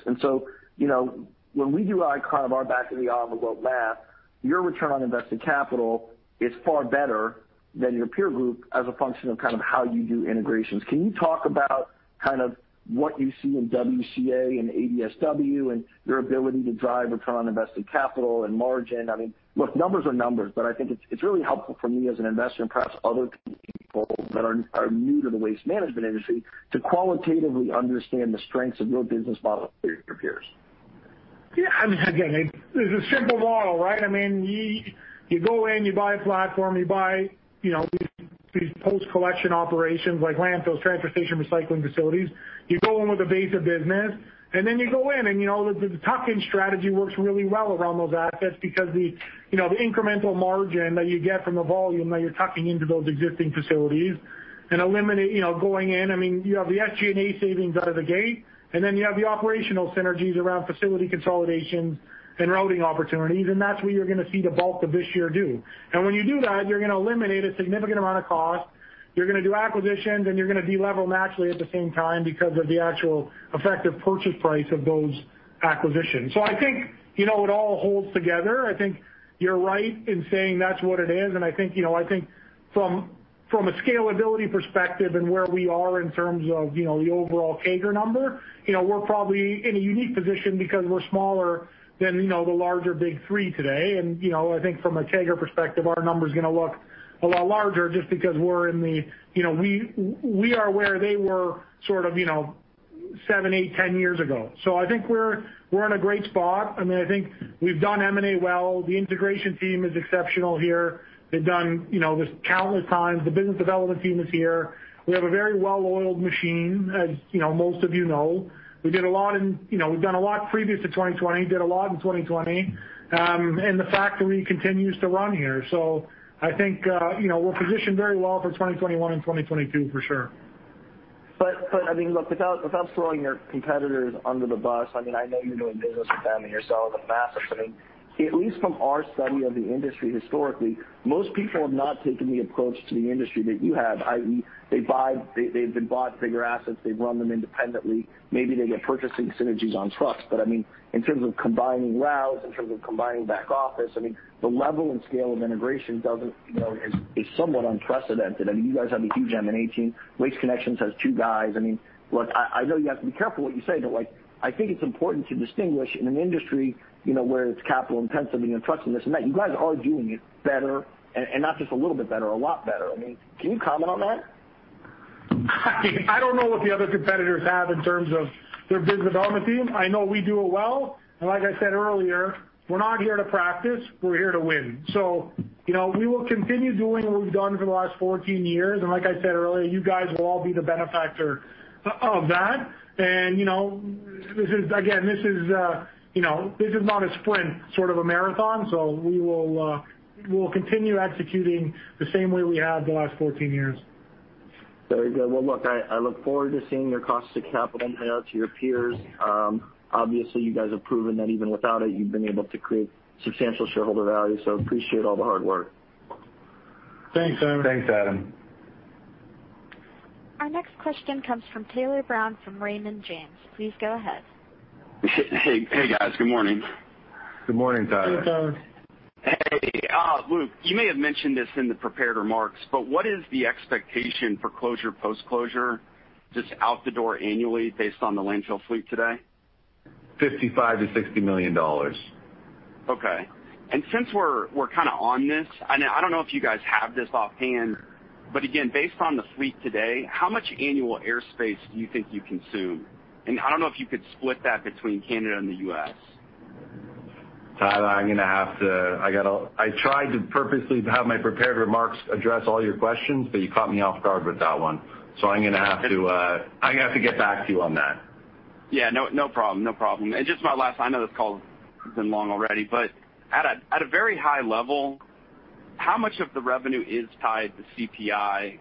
When we do kind of our back of the envelope math, your return on invested capital is far better than your peer group as a function of kind of how you do integrations. Can you talk about kind of what you see in WCA and ADSW and their ability to drive return on invested capital and margin? Look, numbers are numbers, but I think it's really helpful for me as an investor and perhaps other people that are new to the waste management industry to qualitatively understand the strengths of your business model compared to your peers. Again, it's a simple model, right. You go in, you buy a platform, you buy these post-collection operations like landfills, transportation, recycling facilities. You go in with a base of business, and then you go in and the tuck-in strategy works really well around those assets because the incremental margin that you get from the volume that you're tucking into those existing facilities and eliminate going in. You have the SG&A savings out of the gate, and then you have the operational synergies around facility consolidations and routing opportunities, and that's where you're going to see the bulk of this year due. When you do that, you're going to eliminate a significant amount of cost. You're going to do acquisitions, and you're going to de-lever them actually at the same time because of the actual effective purchase price of those acquisitions. I think it all holds together. I think you're right in saying that's what it is. I think from a scalability perspective and where we are in terms of the overall CAGR number, we're probably in a unique position because we're smaller than the larger big three today. I think from a CAGR perspective, our number's going to look a lot larger just because we are where they were sort of seven, eight, 10 years ago. I think we're in a great spot. I think we've done M&A well. The integration team is exceptional here. They've done this countless times. The business development team is here. We have a very well-oiled machine, as most of you know. We've done a lot previous to 2020, did a lot in 2020. The factory continues to run here. I think we're positioned very well for 2021 and 2022, for sure. Look, without throwing your competitors under the bus, I know you're doing business with them and you're selling them assets. At least from our study of the industry historically, most people have not taken the approach to the industry that you have, i.e., they've been bought bigger assets. They run them independently. Maybe they get purchasing synergies on trucks. In terms of combining routes, in terms of combining back office, the level and scale of integration is somewhat unprecedented. You guys have a huge M&A team. Waste Connections has two guys. Look, I know you have to be careful what you say, but I think it's important to distinguish in an industry where it's capital-intensive and you're trusting this and that, you guys are doing it better, and not just a little bit better, a lot better. Can you comment on that? I don't know what the other competitors have in terms of their business development team. I know we do it well, and like I said earlier, we're not here to practice. We're here to win. We will continue doing what we've done for the last 14 years. Like I said earlier, you guys will all be the benefactor of that. Again, this is not a sprint, sort of a marathon. We will continue executing the same way we have the last 14 years. Very good. Well, look, I look forward to seeing your cost of capital compared to your peers. Obviously, you guys have proven that even without it, you've been able to create substantial shareholder value, so appreciate all the hard work. Thanks, Adam. Thanks, Adam. Our next question comes from Tyler Brown from Raymond James. Please go ahead. Hey, guys. Good morning. Good morning, Tyler. Hey, Tyler. Hey. Luke, you may have mentioned this in the prepared remarks, but what is the expectation for closure, post-closure, just out the door annually based on the landfill fleet today? 55 million-60 million dollars. Okay. Since we're kind of on this, I don't know if you guys have this offhand, but again, based on the fleet today, how much annual airspace do you think you consume? I don't know if you could split that between Canada and the U.S. Tyler, I tried to purposely have my prepared remarks address all your questions, but you caught me off guard with that one. I'm going to have to get back to you on that. Yeah. No problem. Just my last, I know this call has been long already, but at a very high level, how much of the revenue is tied to CPI?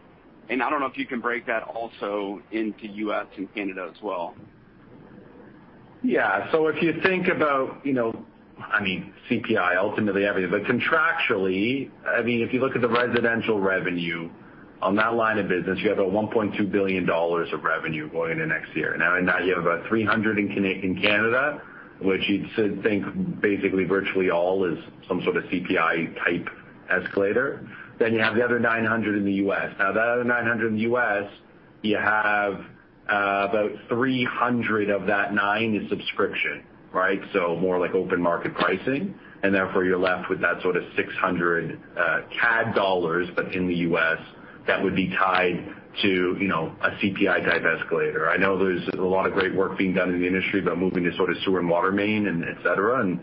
I don't know if you can break that also into U.S. and Canada as well. Yeah. If you think about CPI, ultimately, but contractually, if you look at the residential revenue, on that line of business, you have a 1.2 billion dollars of revenue going into next year. You have about 300 in Canada, which you'd think basically virtually all is some sort of CPI-type escalator. You have the other 900 in the U.S. That other 900 in the U.S., you have about 300 of that nine is subscription. More like open market pricing, and therefore you're left with that sort of 600 dollars, but in the U.S. that would be tied to a CPI-type escalator. I know there's a lot of great work being done in the industry about moving to sewer and water main and et cetera, and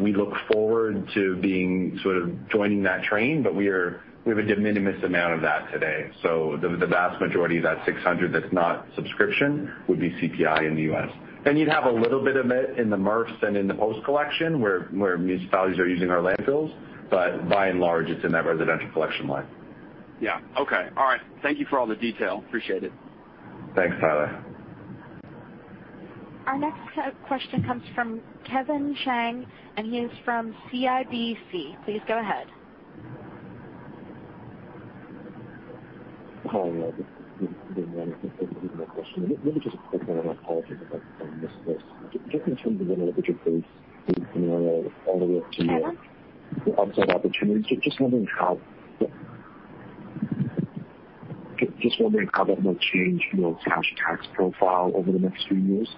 we look forward to joining that train, but we have a de minimis amount of that today. The vast majority of that 600 that's not subscription would be CPI in the U.S. You'd have a little bit of it in the MRFs and in the post collection, where municipalities are using our landfills, but by and large, it's in that residential collection line. Yeah. Okay. All right. Thank you for all the detail. Appreciate it. Thanks, Tyler. Our next question comes from Kevin Chiang, and he is from CIBC. Please go ahead. Hi, Luke. This is Kevin Chiang. Thank you for the question. Really just a quick one, and my apologies if I missed this. Just in terms of the organic growth all the way up to- Sorry The upside opportunities, just wondering how that will change your cash tax profile over the next few years?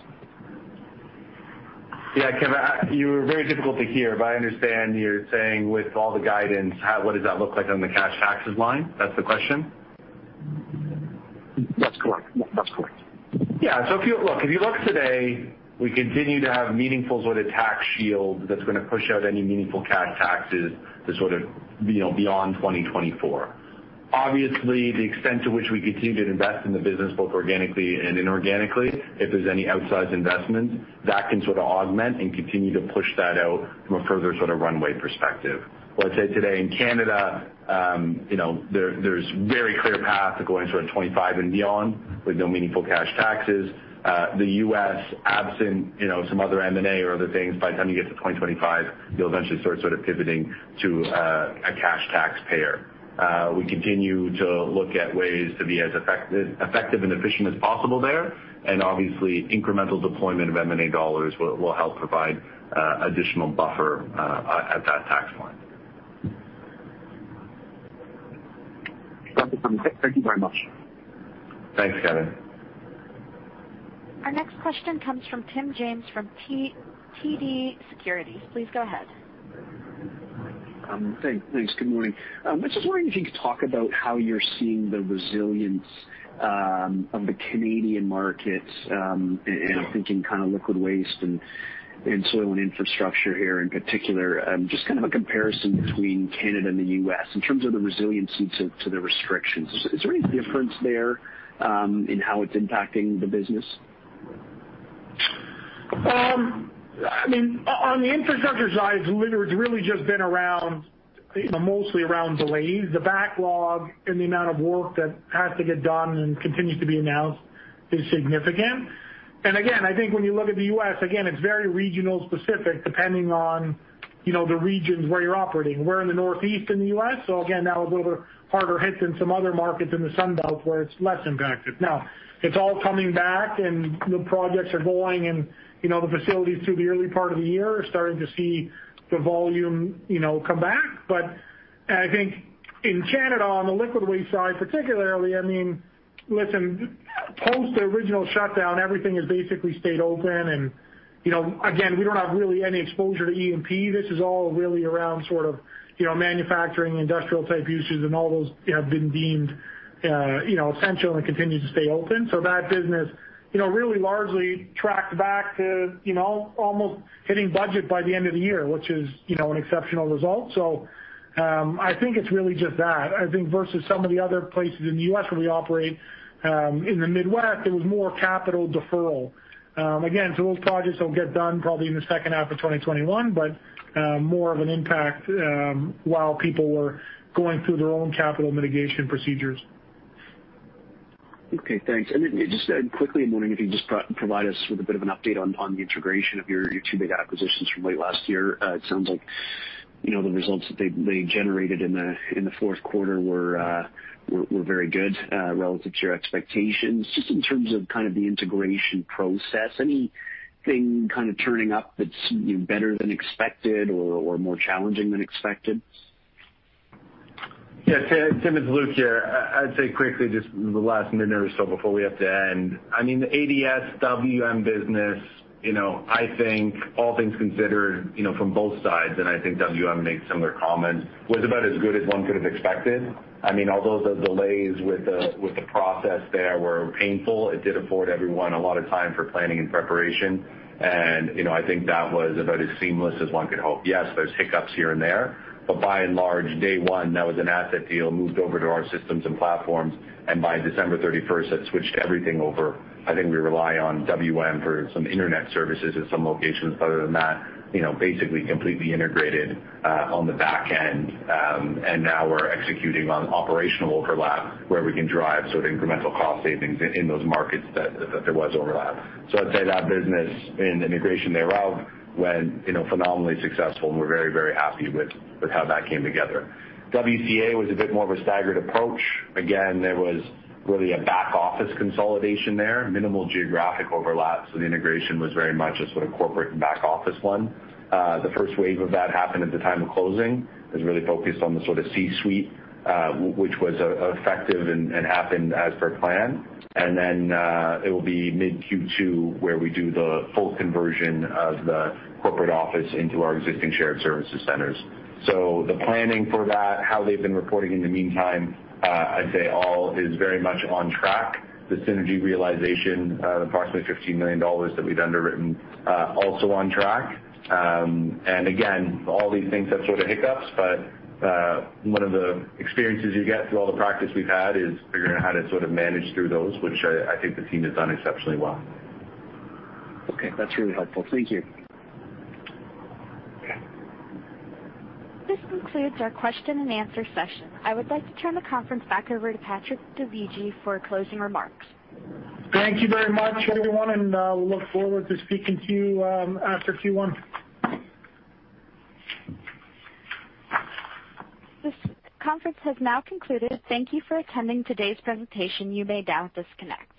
Yeah, Kevin, you were very difficult to hear, but I understand you're saying with all the guidance, what does that look like on the cash taxes line? That's the question? That's correct. Yeah. If you look today, we continue to have meaningful tax shield that's going to push out any meaningful cash taxes to sort of beyond 2024. Obviously, the extent to which we continue to invest in the business, both organically and inorganically, if there's any outsized investments, that can sort of augment and continue to push that out from a further runway perspective. What I'd say today in Canada, there's very clear path to going sort of 2025 and beyond with no meaningful cash taxes. The U.S., absent some other M&A or other things, by the time you get to 2025, you'll eventually start pivoting to a cash taxpayer. We continue to look at ways to be as effective and efficient as possible there, obviously, incremental deployment of M&A dollars will help provide additional buffer at that tax line. Thank you very much. Thanks, Kevin. Our next question comes from Tim James from TD Securities. Please go ahead. Thanks. Good morning. I was just wondering if you could talk about how you're seeing the resilience of the Canadian market, and I'm thinking kind of liquid waste and soil, and infrastructure here in particular. Just kind of a comparison between Canada and the U.S. in terms of the resiliency to the restrictions. Is there any difference there in how it's impacting the business? On the infrastructure side, it's really just been mostly around delays. The backlog and the amount of work that has to get done and continues to be announced is significant. Again, I think when you look at the U.S., again, it's very regional specific, depending on the regions where you're operating. We're in the Northeast in the U.S., so again, that was a little bit harder hit than some other markets in the Sun Belt where it's less impacted. Now, it's all coming back, and new projects are going, and the facilities through the early part of the year are starting to see the volume come back. I think in Canada, on the liquid waste side particularly, I mean, listen, post the original shutdown, everything has basically stayed open, and again, we don't have really any exposure to E&P. This is all really around manufacturing, industrial-type uses, and all those have been deemed essential and continue to stay open. That business really largely tracked back to almost hitting budget by the end of the year, which is an exceptional result. I think it's really just that. I think versus some of the other places in the U.S. where we operate, in the Midwest, there was more capital deferral. Again, those projects will get done probably in the second half of 2021, but more of an impact while people were going through their own capital mitigation procedures. Okay, thanks. Just quickly, I'm wondering if you can just provide us with a bit of an update on the integration of your two big acquisitions from late last year. It sounds like the results that they generated in the fourth quarter were very good relative to your expectations. Just in terms of the integration process, anything turning up that's better than expected or more challenging than expected? Yeah, Tim, it's Luke here. I'd say quickly, just the last minute or so before we have to end. The ADS WM business, I think all things considered, from both sides, and I think WM makes similar comments, was about as good as one could have expected. Although the delays with the process there were painful, it did afford everyone a lot of time for planning and preparation. I think that was about as seamless as one could hope. Yes, there's hiccups here and there, but by and large, day one, that was an asset deal, moved over to our systems and platforms, and by December 31st, had switched everything over. I think we rely on WM for some internet services at some locations. Other than that, basically completely integrated on the back end. Now we're executing on operational overlap where we can drive sort of incremental cost savings in those markets that there was overlap. I'd say that business and the integration thereof went phenomenally successful, and we're very, very happy with how that came together. WCA was a bit more of a staggered approach. Again, there was really a back-office consolidation there, minimal geographic overlap, so the integration was very much a sort of corporate and back-office one. The first wave of that happened at the time of closing. It was really focused on the sort of C-suite, which was effective and happened as per plan. It will be mid Q2 where we do the full conversion of the corporate office into our existing shared services centers. The planning for that, how they've been reporting in the meantime, I'd say all is very much on track. The synergy realization, the approximately 15 million dollars that we'd underwritten, also on track. Again, all these things have sort of hiccups, but one of the experiences you get through all the practice we've had is figuring out how to sort of manage through those, which I think the team has done exceptionally well. Okay. That's really helpful. Thank you. Okay. This concludes our question-and-answer session. I would like to turn the conference back over to Patrick Dovigi for closing remarks. Thank you very much, everyone, and we look forward to speaking to you after Q1. This conference has now concluded. Thank you for attending today's presentation. You may now disconnect.